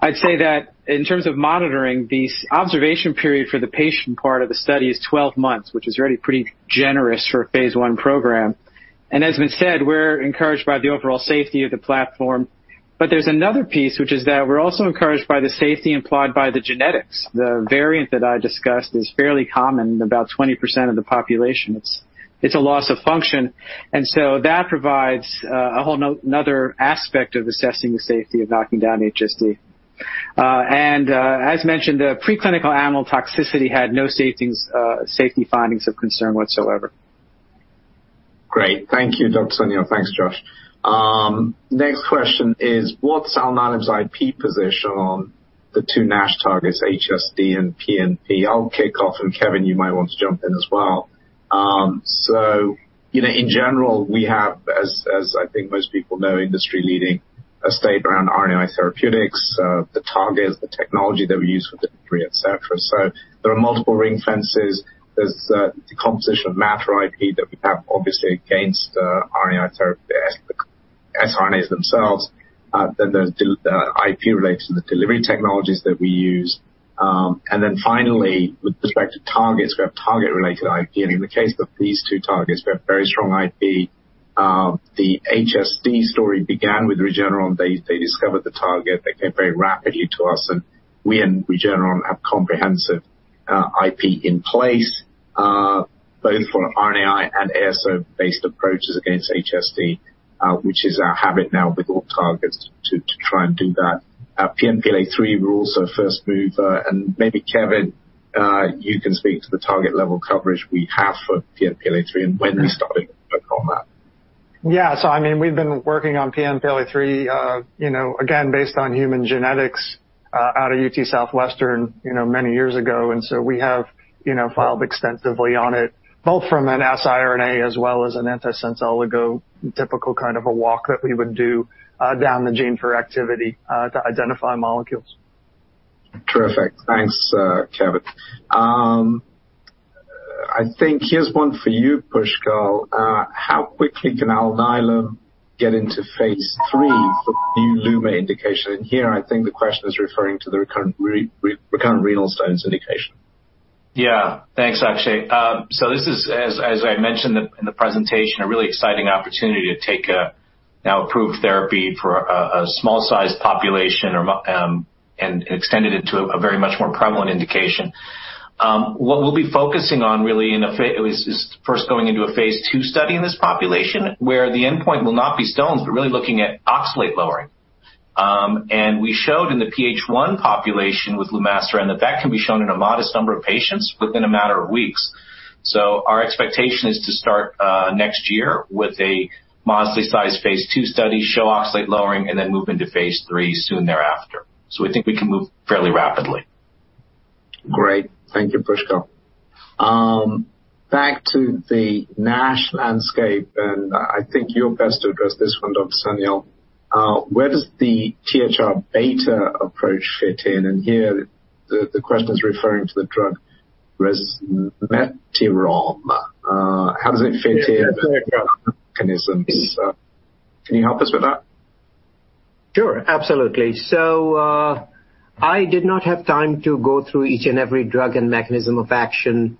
I'd say that in terms of monitoring, the observation period for the patient part of the study is 12 months, which is really pretty generous for a phase one program. As has been said, we're encouraged by the overall safety of the platform. But there's another piece, which is that we're also encouraged by the safety implied by the genetics. The variant that I discussed is fairly common in about 20% of the population. It's a loss of function. And so that provides another aspect of assessing the safety of knocking down HSD. And as mentioned, the preclinical animal toxicity had no safety findings of concern whatsoever. Great. Thank you, Dr. Sanyal. Thanks, Josh. Next question is, what's Alnylam's IP position on the two NASH targets, HSD and PNP? I'll kick off, and Kevin, you might want to jump in as well. So in general, we have, as I think most people know, industry-leading patent estate around RNAi therapeutics, the targets, the technology that we use for delivery, et cetera. So there are multiple ring fences. There's the composition of matter IP that we have, obviously, against RNAi therapy siRNAs themselves. Then there's IP related to the delivery technologies that we use. And then finally, with respect to targets, we have target-related IP. And in the case of these two targets, we have very strong IP. The HSD story began with Regeneron. They discovered the target. They came very rapidly to us. And we and Regeneron have comprehensive IP in place, both for RNAi and ASO-based approaches against HSD, which is our habit now with all targets to try and do that. PNPLA3, we're also a first mover. And maybe, Kevin, you can speak to the target-level coverage we have for PNPLA3 and when we started to work on that. Yeah. So I mean, we've been working on PNPLA3, again, based on human genetics out of UT Southwestern many years ago. And so we have filed extensively on it, both from an siRNA as well as an antisense oligo, typical kind of a walk that we would do down the gene for activity to identify molecules. Terrific. Thanks, Kevin. I think here's one for you, Pushkal. How quickly can Alnylam get into phase three for new Luma indication? And here, I think the question is referring to the recurrent renal stones indication. Yeah. Thanks, Akshay. So this is, as I mentioned in the presentation, a really exciting opportunity to take a now approved therapy for a small-sized population and extend it into a very much more prevalent indication. What we'll be focusing on really is first going into a phase two study in this population, where the endpoint will not be stones, but really looking at oxalate lowering. We showed in the PH1 population with lumasiran that that can be shown in a modest number of patients within a matter of weeks. Our expectation is to start next year with a modestly sized phase two study, show oxalate lowering, and then move into phase three soon thereafter. We think we can move fairly rapidly. Great. Thank you, Pushkal. Back to the NASH landscape, and I think you're best to address this one, Dr. Sanyal. Where does the THR-beta approach fit in? And here, the question is referring to the drug resmetirom. How does it fit in? Mechanisms. Can you help us with that? Sure. Absolutely. I did not have time to go through each and every drug and mechanism of action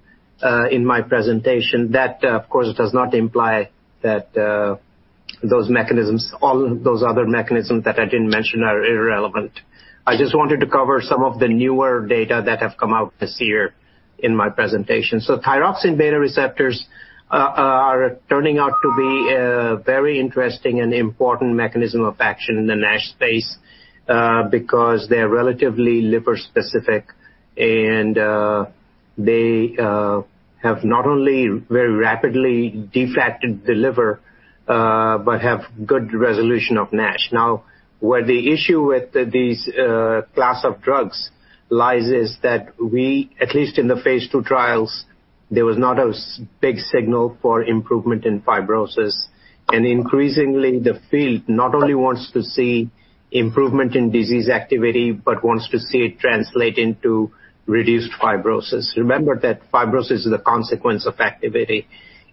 in my presentation. That, of course, does not imply that those mechanisms, all those other mechanisms that I didn't mention, are irrelevant. I just wanted to cover some of the newer data that have come out this year in my presentation, so thyroid hormone receptor beta are turning out to be a very interesting and important mechanism of action in the NASH space because they're relatively liver-specific, and they have not only very rapidly defatted the liver but have good resolution of NASH. Now, where the issue with this class of drugs lies is that we, at least in the phase 2 trials, there was not a big signal for improvement in fibrosis, and increasingly, the field not only wants to see improvement in disease activity but wants to see it translate into reduced fibrosis. Remember that fibrosis is a consequence of activity.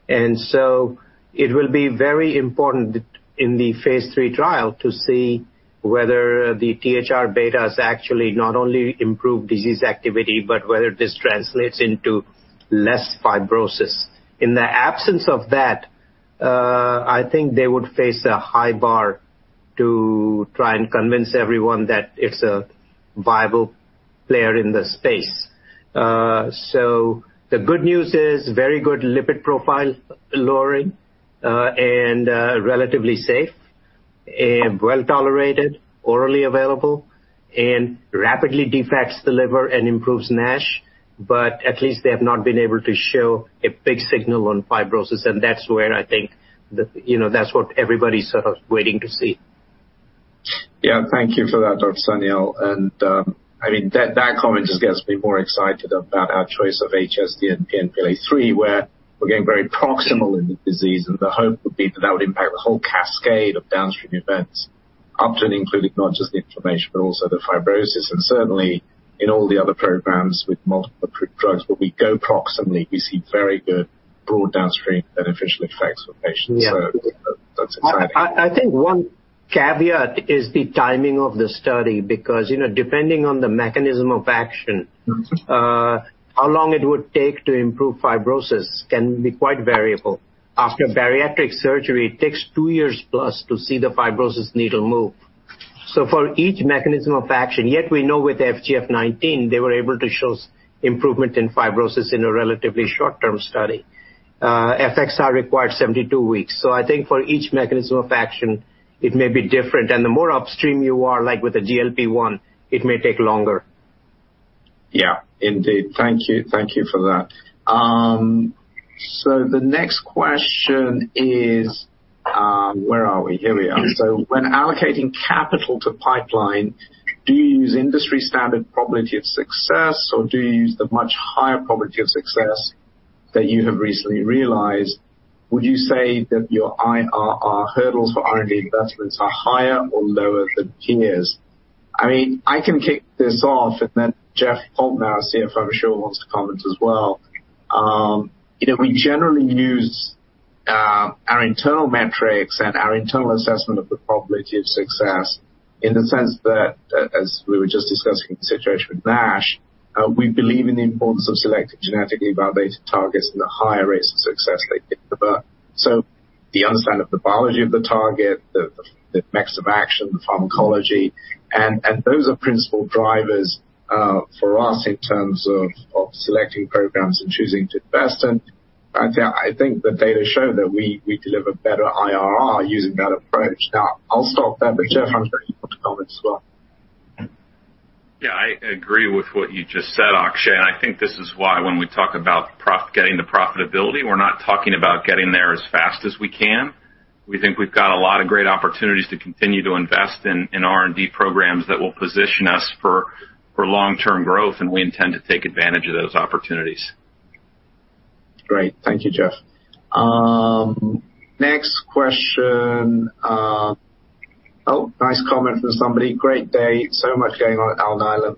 And so it will be very important in the phase three trial to see whether the THR-beta has actually not only improved disease activity but whether this translates into less fibrosis. In the absence of that, I think they would face a high bar to try and convince everyone that it's a viable player in the space. So the good news is very good lipid profile lowering and relatively safe, well tolerated, orally available, and rapidly defats the liver and improves NASH. But at least they have not been able to show a big signal on fibrosis. And that's where I think that's what everybody's sort of waiting to see. Yeah. Thank you for that, Dr. Sanyal. And I mean, that comment just gets me more excited about our choice of HSD and PNPLA3, where we're getting very proximal in the disease. The hope would be that that would impact the whole cascade of downstream events, up to and including not just the inflammation, but also the fibrosis. Certainly, in all the other programs with multiple drugs, when we go proximally, we see very good broad downstream beneficial effects for patients. That's exciting. One caveat is the timing of the study because depending on the mechanism of action, how long it would take to improve fibrosis can be quite variable. After bariatric surgery, it takes two years plus to see the fibrosis needle move. For each mechanism of action, yet we know with FGF19, they were able to show improvement in fibrosis in a relatively short-term study. FXR required 72 weeks. For each mechanism of action, it may be different. And the more upstream you are, like with the GLP-1, it may take longer. Yeah. Indeed. Thank you. Thank you for that. So the next question is, where are we? Here we are. So when allocating capital to pipeline, do you use industry-standard probability of success, or do you use the much higher probability of success that you have recently realized? Would you say that your IRR hurdles for R&D investments are higher or lower than peers? I mean, I can kick this off, and then Jeff Poulton, our CFO, I'm sure, wants to comment as well. We generally use our internal metrics and our internal assessment of the probability of success in the sense that, as we were just discussing the situation with NASH, we believe in the importance of selecting genetically validated targets and the higher rates of success they deliver. So the understanding of the biology of the target, the mechanism of action, the pharmacology, and those are principal drivers for us in terms of selecting programs and choosing to invest. And I think the data show that we deliver better IRR using that approach. Now, I'll stop there, but Jeff, I'm sure you want to comment as well. Yeah. I agree with what you just said, Akshay. And I think this is why when we talk about getting to profitability, we're not talking about getting there as fast as we can. We think we've got a lot of great opportunities to continue to invest in R&D programs that will position us for long-term growth, and we intend to take advantage of those opportunities. Great. Thank you, Jeff. Next question. Oh, nice comment from somebody. Great day. So much going on at Alnylam.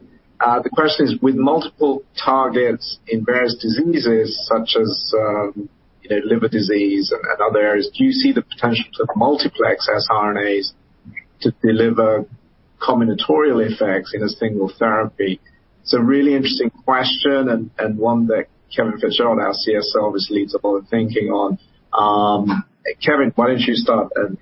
The question is, with multiple targets in various diseases, such as liver disease and other areas, do you see the potential to multiplex siRNAs to deliver combinatorial effects in a single therapy? It's a really interesting question and one that Kevin Fitzgerald, our CSO, obviously leads a lot of thinking on. Kevin, why don't you start and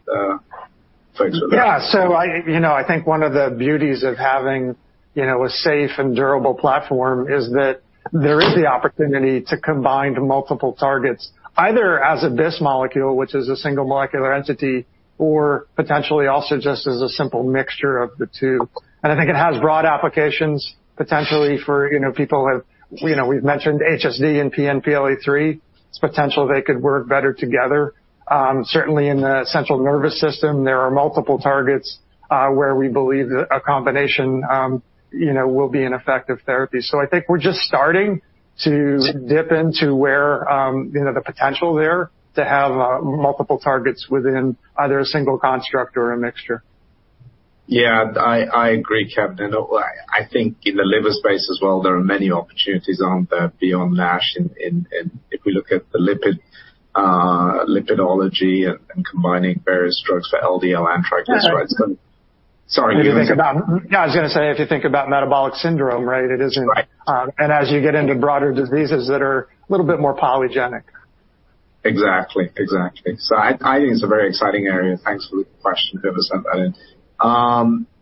focus with that? Yeah. So I think one of the beauties of having a safe and durable platform is that there is the opportunity to combine multiple targets, either as a bis molecule, which is a single molecular entity, or potentially also just as a simple mixture of the two. And I think it has broad applications potentially for people who have—we've mentioned HSD and PNPLA3. It's potential they could work better together. Certainly, in the central nervous system, there are multiple targets where we believe a combination will be an effective therapy. So I think we're just starting to dip into where the potential there to have multiple targets within either a single construct or a mixture. Yeah. I agree, Kevin. And I think in the liver space as well, there are many opportunities out there beyond NASH. And if we look at the lipidology and combining various drugs for LDL and triglycerides. Sorry. If you think about, yeah, I was going to say, if you think about metabolic syndrome, right? It isn't. And as you get into broader diseases that are a little bit more polygenic. Exactly. Exactly. So I think it's a very exciting area. Thanks for the question. Whoever sent that in.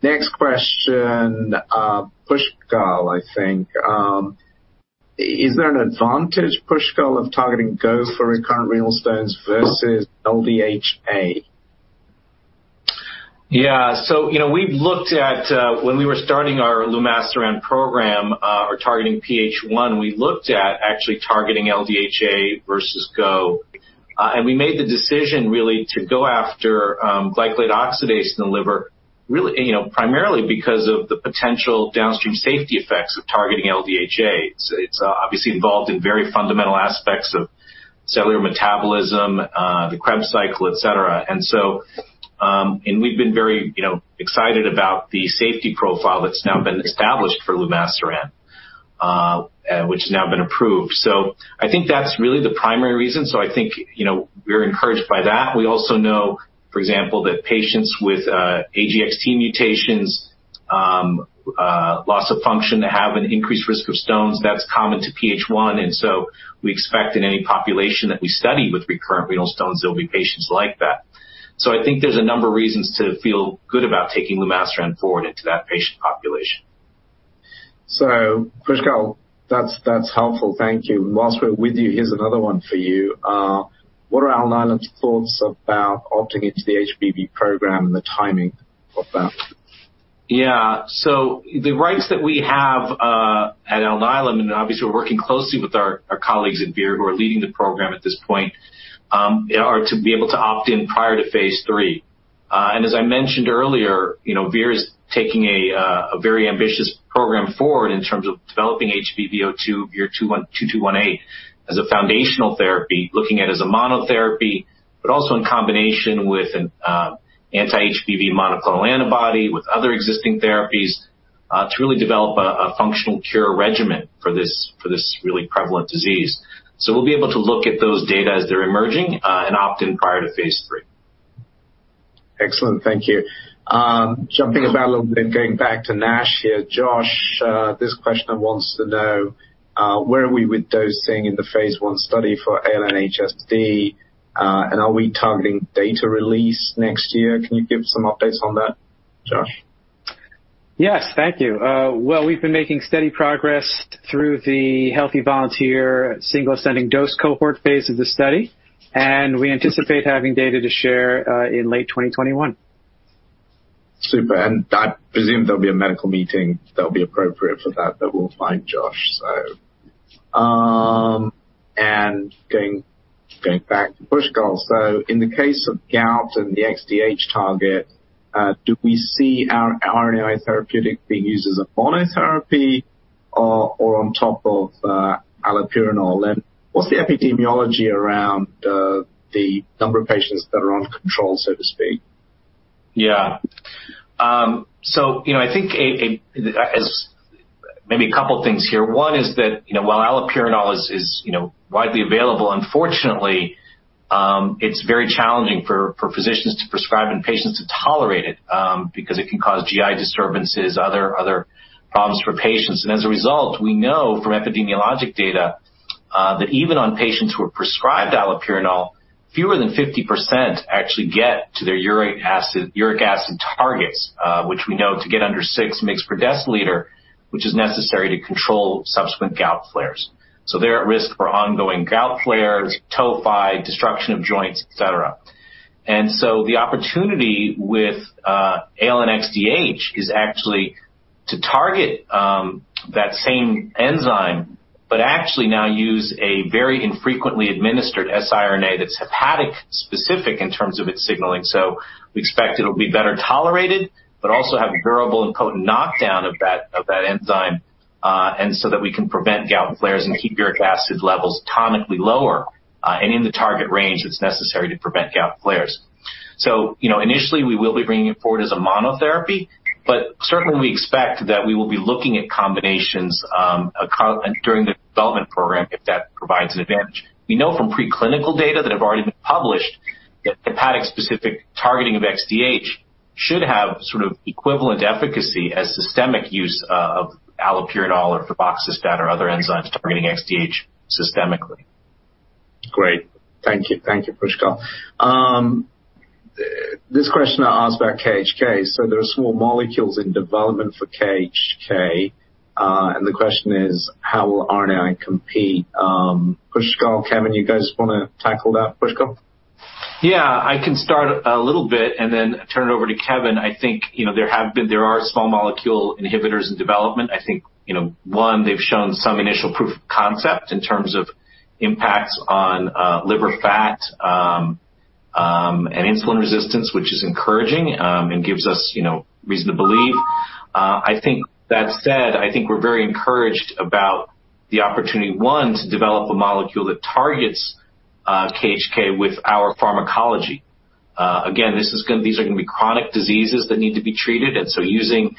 Next question, Pushkal, I think. Is there an advantage, Pushkal, of targeting GO for recurrent renal stones versus LDHA? Yeah. So we've looked at, when we were starting our lumasiran program or targeting PH1, we looked at actually targeting LDHA versus GO. And we made the decision really to go after glycolate oxidase in the liver, primarily because of the potential downstream safety effects of targeting LDHA. It's obviously involved in very fundamental aspects of cellular metabolism, the Krebs cycle, et cetera. And we've been very excited about the safety profile that's now been established for lumasiran, which has now been approved. So I think that's really the primary reason. So I think we're encouraged by that. We also know, for example, that patients with AGXT mutations, loss of function, have an increased risk of stones. That's common to PH1. And so we expect in any population that we study with recurrent renal stones, there will be patients like that. I think there's a number of reasons to feel good about taking lumasiran forward into that patient population. Pushkal, that's helpful. Thank you. And while we're with you, here's another one for you. What are Alnylam's thoughts about opting into the HBV program and the timing of that? Yeah. So the rights that we have at Alnylam, and obviously, we're working closely with our colleagues at Vir who are leading the program at this point, are to be able to opt in prior to phase three. And as I mentioned earlier, Vir is taking a very ambitious program forward in terms of developing HBV02, Vir-2218, as a foundational therapy, looking at it as a monotherapy, but also in combination with an anti-HBV monoclonal antibody with other existing therapies to really develop a functional cure regimen for this really prevalent disease. So we'll be able to look at those data as they're emerging and opt in prior to phase three. Excellent. Thank you. Jumping about a little bit, going back to NASH here, Josh, this questioner wants to know, where are we with dosing in the phase one study for ALN-HSD? And are we targeting data release next year? Can you give some updates on that, Josh? Yes. Thank you. Well, we've been making steady progress through the Healthy Volunteer single-ascending dose cohort phase of the study, and we anticipate having data to share in late 2021. Super. And I presume there'll be a medical meeting that will be appropriate for that that we'll find, Josh, so. And going back to Pushkal, so in the case of gout and the XDH target, do we see our RNAi therapeutic being used as a monotherapy or on top of allopurinol? And what's the epidemiology around the number of patients that are on control, so to speak? Yeah. So I think maybe a couple of things here. One is that while allopurinol is widely available, unfortunately, it's very challenging for physicians to prescribe and patients to tolerate it because it can cause GI disturbances, other problems for patients. And as a result, we know from epidemiologic data that even on patients who are prescribed allopurinol, fewer than 50% actually get to their uric acid targets, which we know to get under six mg/dL, which is necessary to control subsequent gout flares. So they're at risk for ongoing gout flares, tophi, destruction of joints, et cetera. And so the opportunity with ALN-XDH is actually to target that same enzyme but actually now use a very infrequently administered siRNA that's hepatic-specific in terms of its signaling. We expect it'll be better tolerated but also have a durable and potent knockdown of that enzyme so that we can prevent gout flares and keep uric acid levels tonically lower and in the target range that's necessary to prevent gout flares. Initially, we will be bringing it forward as a monotherapy, but certainly, we expect that we will be looking at combinations during the development program if that provides an advantage. We know from preclinical data that have already been published that hepatic-specific targeting of XDH should have sort of equivalent efficacy as systemic use of allopurinol or febuxostat or other enzymes targeting XDH systemically. Great. Thank you. Thank you, Pushkal. This questioner asked about KHK. There are small molecules in development for KHK, and the question is, how will RNAi compete? Pushkal, Kevin, you guys want to tackle that, Pushkal? Yeah. I can start a little bit and then turn it over to Kevin. I think there are small molecule inhibitors in development. I think, one, they've shown some initial proof of concept in terms of impacts on liver fat and insulin resistance, which is encouraging and gives us reason to believe. I think that said, I think we're very encouraged about the opportunity, one, to develop a molecule that targets KHK with our pharmacology. Again, these are going to be chronic diseases that need to be treated. And so using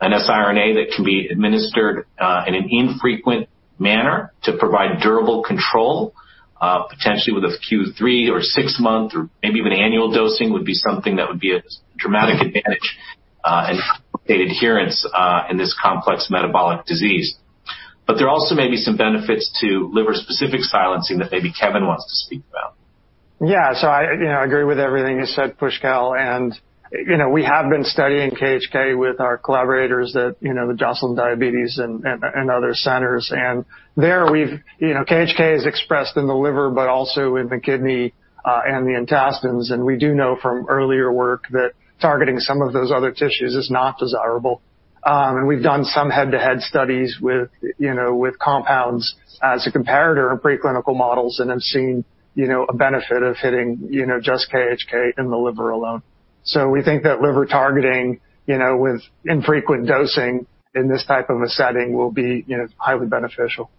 an siRNA that can be administered in an infrequent manner to provide durable control, potentially with a Q3 or six-month or maybe even annual dosing, would be something that would be a dramatic advantage and adherence in this complex metabolic disease. But there also may be some benefits to liver-specific silencing that maybe Kevin wants to speak about. Yeah. So I agree with everything you said, Pushkal. And we have been studying KHK with our collaborators, the Joslin Diabetes Center and other centers. And there, KHK is expressed in the liver but also in the kidney and the intestines. And we do know from earlier work that targeting some of those other tissues is not desirable. And we've done some head-to-head studies with compounds as a comparator in preclinical models and have seen a benefit of hitting just KHK in the liver alone. So we think that liver targeting with infrequent dosing in this type of a setting will be highly beneficial.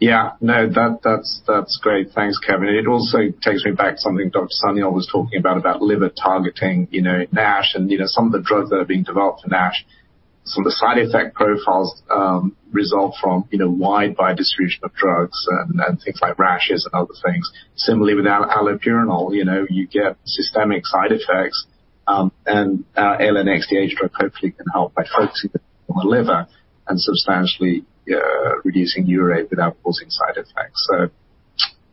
Yeah. No, that's great. Thanks, Kevin. It also takes me back to something Dr. Sanyal was talking about, about liver targeting NASH and some of the drugs that are being developed for NASH. Some of the side effect profiles result from wide biodistribution of drugs and things like rashes and other things. Similarly, with allopurinol, you get systemic side effects, and ALN-XDH drug hopefully can help by focusing on the liver and substantially reducing urate without causing side effects, so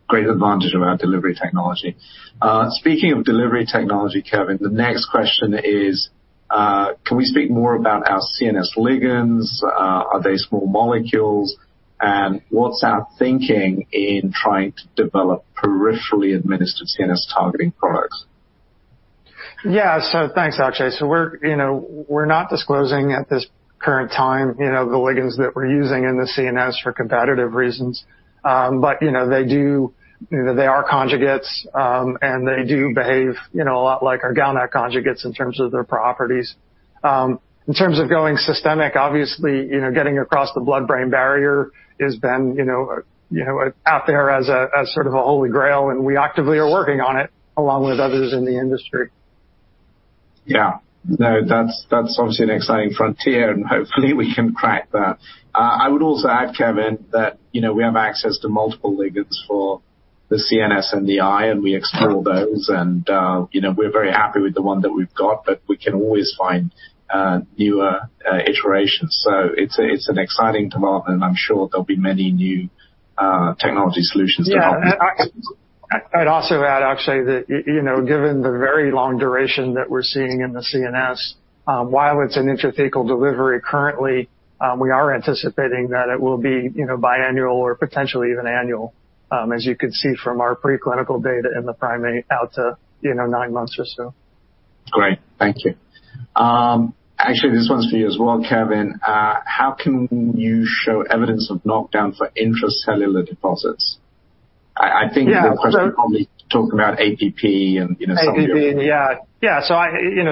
great advantage of our delivery technology. Speaking of delivery technology, Kevin, the next question is, can we speak more about our CNS ligands? Are they small molecules? And what's our thinking in trying to develop peripherally-administered CNS targeting products? Yeah, so thanks, Akshay, so we're not disclosing at this current time the ligands that we're using in the CNS for competitive reasons. But they are conjugates, and they do behave a lot like our GalNAc conjugates in terms of their properties. In terms of going systemic, obviously, getting across the blood-brain barrier has been out there as sort of a holy grail, and we actively are working on it along with others in the industry. Yeah. No, that's obviously an exciting frontier, and hopefully, we can crack that. I would also add, Kevin, that we have access to multiple ligands for the CNS and the eye, and we explore those. And we're very happy with the one that we've got, but we can always find newer iterations. So it's an exciting development, and I'm sure there'll be many new technology solutions to help us. I'd also add, Akshay, that given the very long duration that we're seeing in the CNS, while it's an intrathecal delivery currently, we are anticipating that it will be biannual or potentially even annual, as you can see from our preclinical data in the primate out to nine months or so. Great. Thank you. Actually, this one's for you as well, Kevin. How can you show evidence of knockdown for intracellular deposits? I think the questioner probably talked about APP and some of your. APP, yeah. Yeah. So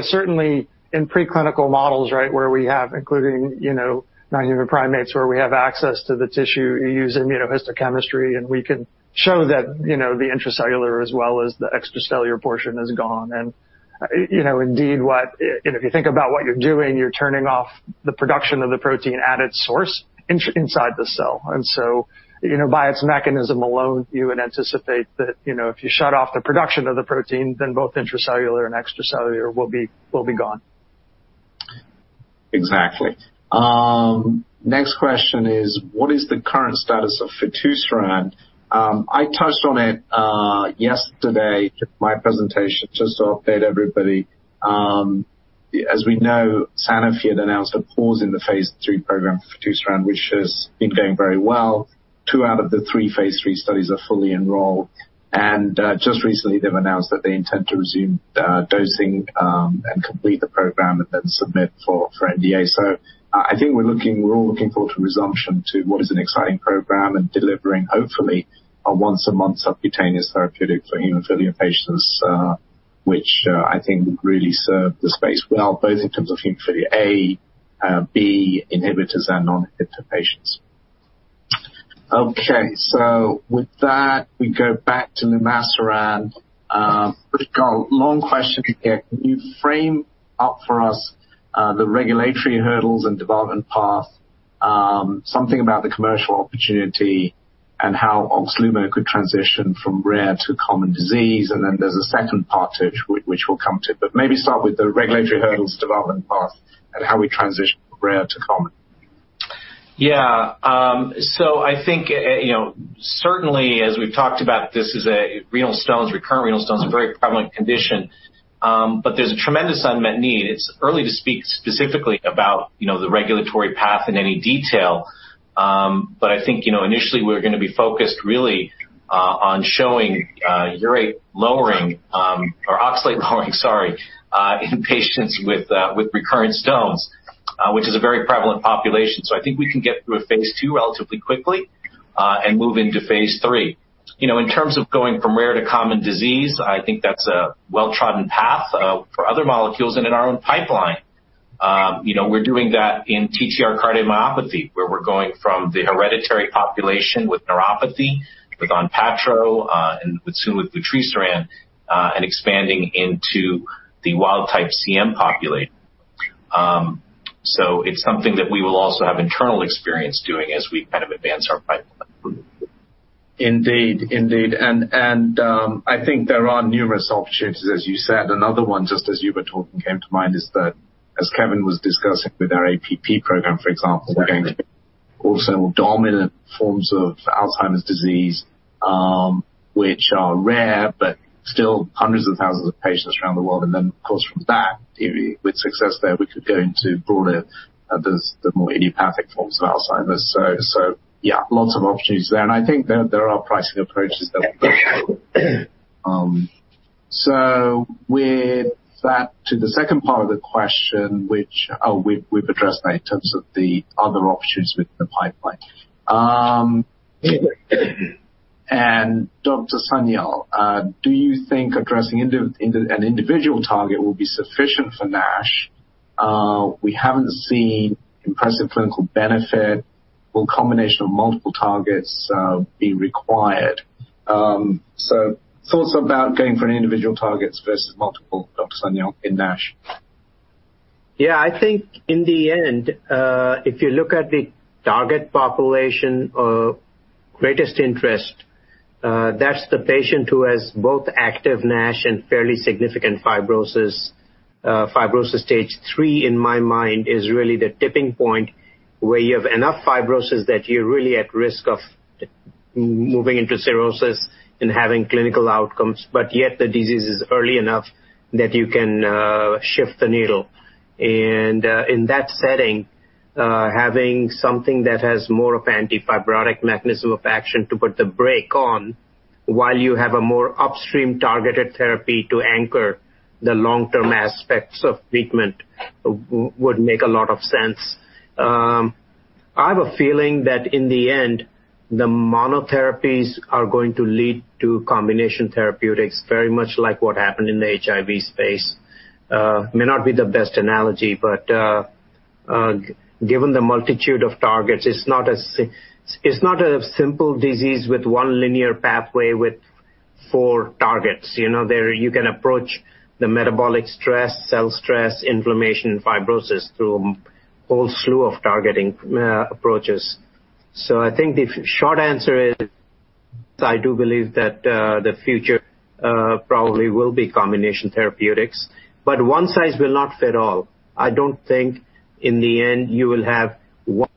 certainly, in preclinical models, right, where we have, including non-human primates, where we have access to the tissue, you use immunohistochemistry, and we can show that the intracellular as well as the extracellular portion is gone. Indeed, if you think about what you're doing, you're turning off the production of the protein at its source inside the cell. By its mechanism alone, you would anticipate that if you shut off the production of the protein, then both intracellular and extracellular will be gone. Exactly. Next question is, what is the current status of fitusiran? I touched on it yesterday in my presentation just to update everybody. As we know, Sanofi had announced a pause in the phase three program for fitusiran, which has been going very well. Two out of the three phase three studies are fully enrolled. And just recently, they've announced that they intend to resume dosing and complete the program and then submit for NDA. So I think we're all looking forward to resumption to what is an exciting program and delivering, hopefully, a once-a-month subcutaneous therapeutic for hemophilia patients, which I think would really serve the space well, both in terms of hemophilia A, B inhibitors, and non-hemophilia patients. Okay. So with that, we go back to lumasiran. Pushkal, long question here. Can you frame up for us the regulatory hurdles and development path, something about the commercial opportunity and how Oxlumo could transition from rare to common disease? And then there's a second part to it, which we'll come to. But maybe start with the regulatory hurdles, development path, and how we transition from rare to common. Yeah. So I think certainly, as we've talked about, this is a recurrent renal stones, a very prevalent condition, but there's a tremendous unmet need. It's early to speak specifically about the regulatory path in any detail. But I think initially, we're going to be focused really on showing urate lowering or oxalate lowering, sorry, in patients with recurrent stones, which is a very prevalent population. So I think we can get through a phase two relatively quickly and move into phase three. In terms of going from rare to common disease, I think that's a well-trodden path for other molecules and in our own pipeline. We're doing that in TTR cardiomyopathy, where we're going from the hereditary population with neuropathy, with Onpattro, and soon with vutrisiran, and expanding into the wild-type CM population. So it's something that we will also have internal experience doing as we kind of advance our pipeline. Indeed. Indeed. And I think there are numerous opportunities, as you said. Another one, just as you were talking, came to mind is that, as Kevin was discussing with our APP program, for example, we're going to also autosomal dominant forms of Alzheimer's disease, which are rare but still hundreds of thousands of patients around the world. And then, of course, from that, with success there, we could go into broader, the more idiopathic forms of Alzheimer's. So yeah, lots of opportunities there. And I think there are pricing approaches that will help. So with that to the second part of the question, which we've addressed now in terms of the other opportunities within the pipeline. And Dr. Sanyal, do you think addressing an individual target will be sufficient for NASH? We haven't seen impressive clinical benefit. Will a combination of multiple targets be required? So thoughts about going for individual targets versus multiple, Dr. Sanyal, in NASH? Yeah. I think in the end, if you look at the target population of greatest interest, that's the patient who has both active NASH and fairly significant fibrosis. Fibrosis stage three, in my mind, is really the tipping point where you have enough fibrosis that you're really at risk of moving into cirrhosis and having clinical outcomes, but yet the disease is early enough that you can shift the needle. And in that setting, having something that has more of an antifibrotic mechanism of action to put the brake on while you have a more upstream targeted therapy to anchor the long-term aspects of treatment would make a lot of sense. I have a feeling that in the end, the monotherapies are going to lead to combination therapeutics, very much like what happened in the HIV space. May not be the best analogy, but given the multitude of targets, it's not a simple disease with one linear pathway with four targets. You can approach the metabolic stress, cell stress, inflammation, and fibrosis through a whole slew of targeting approaches. So I think the short answer is, I do believe that the future probably will be combination therapeutics. But one size will not fit all. I don't think in the end you will have one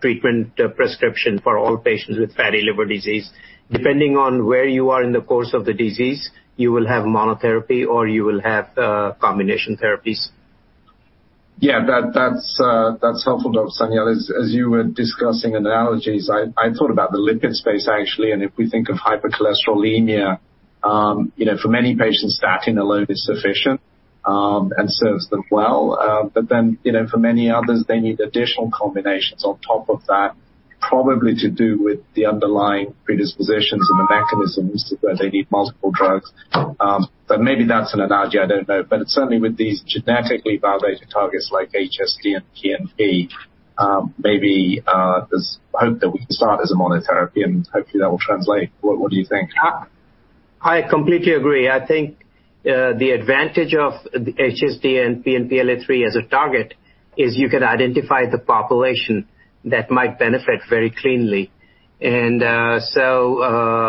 treatment prescription for all patients with fatty liver disease. Depending on where you are in the course of the disease, you will have monotherapy or you will have combination therapies. Yeah. That's helpful, Dr. Sanyal. As you were discussing analogies, I thought about the lipid space, actually. And if we think of hypercholesterolemia, for many patients, statin alone is sufficient and serves them well. But then for many others, they need additional combinations on top of that, probably to do with the underlying predispositions and the mechanisms where they need multiple drugs. But maybe that's an analogy. I don't know. But certainly, with these genetically validated targets like HSD and PNPLA3, maybe there's hope that we can start as a monotherapy, and hopefully, that will translate. What do you think? I completely agree. I think the advantage of HSD and PNPLA3 as a target is you can identify the population that might benefit very cleanly. And so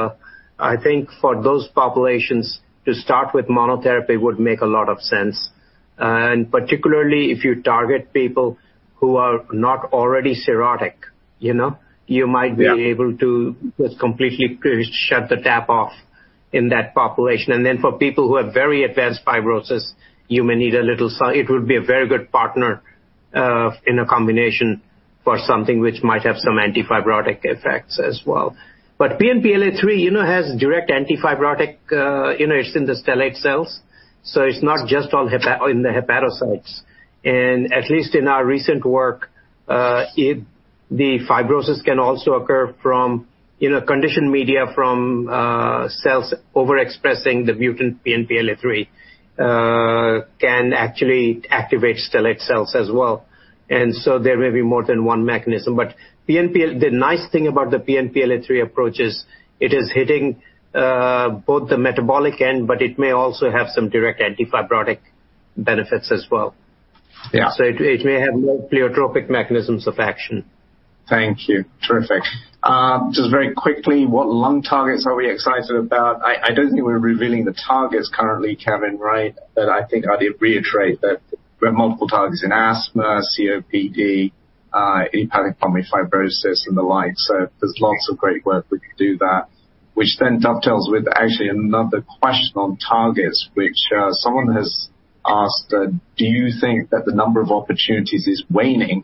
I think for those populations, to start with monotherapy would make a lot of sense. And particularly, if you target people who are not already cirrhotic, you might be able to just completely shut the tap off in that population. And then for people who have very advanced fibrosis, you may need a little, it would be a very good partner in a combination for something which might have some antifibrotic effects as well. But PNPLA3 has direct antifibrotic. It's in the stellate cells. So it's not just in the hepatocytes. And at least in our recent work, the fibrosis can also occur from conditioned media from cells overexpressing the mutant PNPLA3 can actually activate stellate cells as well. And so there may be more than one mechanism. But the nice thing about the PNPLA3 approach is it is hitting both the metabolic end, but it may also have some direct antifibrotic benefits as well. So it may have more pleiotropic mechanisms of action. Thank you. Terrific. Just very quickly, what lung targets are we excited about? I don't think we're revealing the targets currently, Kevin, right? But I think I'd reiterate that we have multiple targets in asthma, COPD, idiopathic pulmonary fibrosis, and the like. So there's lots of great work we can do that, which then dovetails with actually another question on targets, which someone has asked, "Do you think that the number of opportunities is waning?"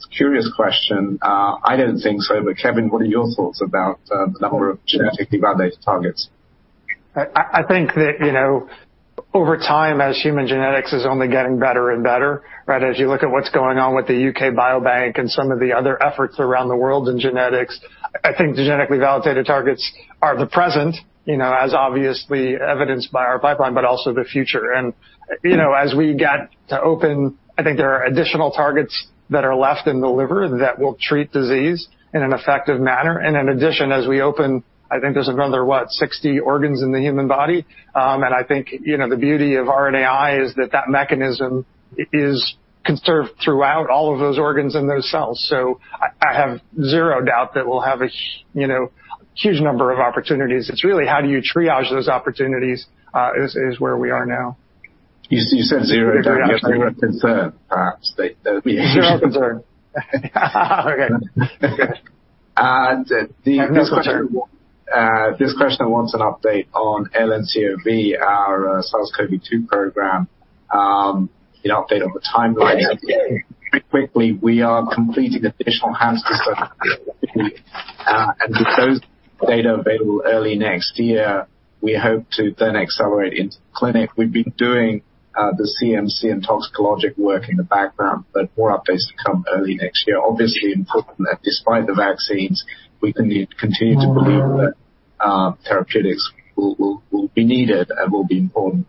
It's a curious question. I don't think so. But Kevin, what are your thoughts about the number of genetically validated targets? I think that over time, as human genetics is only getting better and better, right, as you look at what's going on with the UK Biobank and some of the other efforts around the world in genetics, I think the genetically validated targets are the present, as obviously evidenced by our pipeline, but also the future. And as we get to open, I think there are additional targets that are left in the liver that will treat disease in an effective manner. And in addition, as we open, I think there's another, what, 60 organs in the human body. And I think the beauty of RNAi is that that mechanism is conserved throughout all of those organs and those cells. So I have zero doubt that we'll have a huge number of opportunities. It's really how do you triage those opportunities is where we are now. You said zero concern, perhaps. Zero concern. Okay. This question wants an update on ALN-COV, our SARS-CoV-2 program, an update on the timeline. Very quickly, we are completing additional in-hand studies and get those data available early next year. We hope to then accelerate into clinic. We've been doing the CMC and toxicological work in the background, but more updates to come early next year. Obviously, important that despite the vaccines, we can continue to believe that therapeutics will be needed and will be important.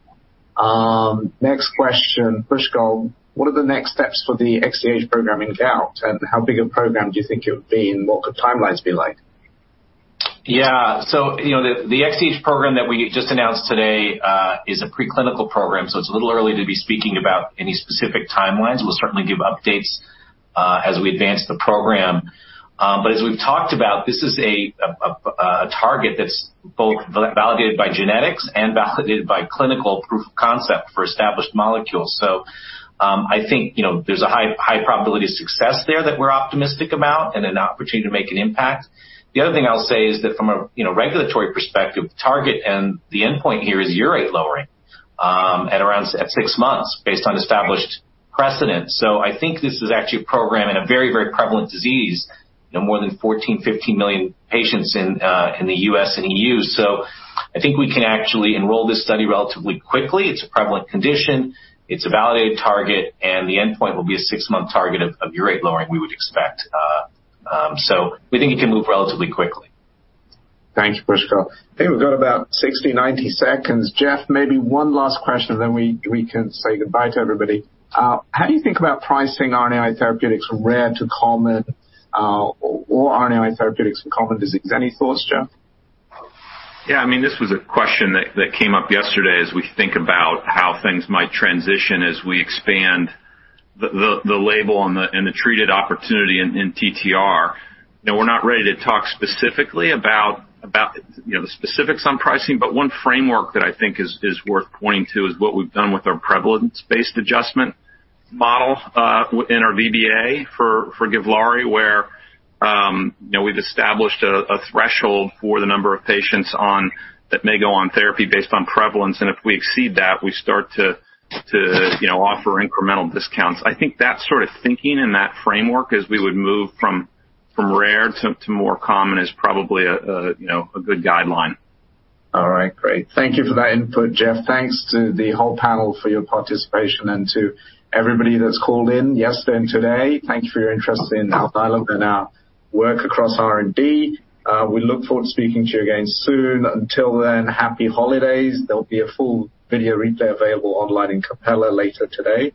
Next question, Pushkal, what are the next steps for the XDH program in gout, and how big a program do you think it would be, and what could timelines be like? Yeah. So the XDH program that we just announced today is a preclinical program, so it's a little early to be speaking about any specific timelines. We'll certainly give updates as we advance the program. But as we've talked about, this is a target that's both validated by genetics and validated by clinical proof of concept for established molecules. So I think there's a high probability of success there that we're optimistic about and an opportunity to make an impact. The other thing I'll say is that from a regulatory perspective, target and the endpoint here is urate lowering at six months based on established precedent. So I think this is actually a program in a very, very prevalent disease, more than 14-15 million patients in the U.S. and EU. So I think we can actually enroll this study relatively quickly. It's a prevalent condition. It's a validated target, and the endpoint will be a six-month target of urate lowering we would expect. So we think it can move relatively quickly. Thank you, Pushkal. I think we've got about 60-90 seconds. Jeff, maybe one last question, and then we can say goodbye to everybody. How do you think about pricing RNAi therapeutics from rare to common or RNAi therapeutics from common disease? Any thoughts, Jeff? Yeah. I mean, this was a question that came up yesterday as we think about how things might transition as we expand the label and the treated opportunity in TTR. We're not ready to talk specifically about the specifics on pricing, but one framework that I think is worth pointing to is what we've done with our prevalence-based adjustment model in our VBA for Givlaari, where we've established a threshold for the number of patients that may go on therapy based on prevalence, and if we exceed that, we start to offer incremental discounts. I think that sort of thinking and that framework, as we would move from rare to more common, is probably a good guideline. All right. Great. Thank you for that input, Jeff. Thanks to the whole panel for your participation and to everybody that's called in yesterday and today. Thank you for your interest in our dialogues and our work across R&D. We look forward to speaking to you again soon. Until then, happy holidays. There'll be a full video replay available online in Capella later today.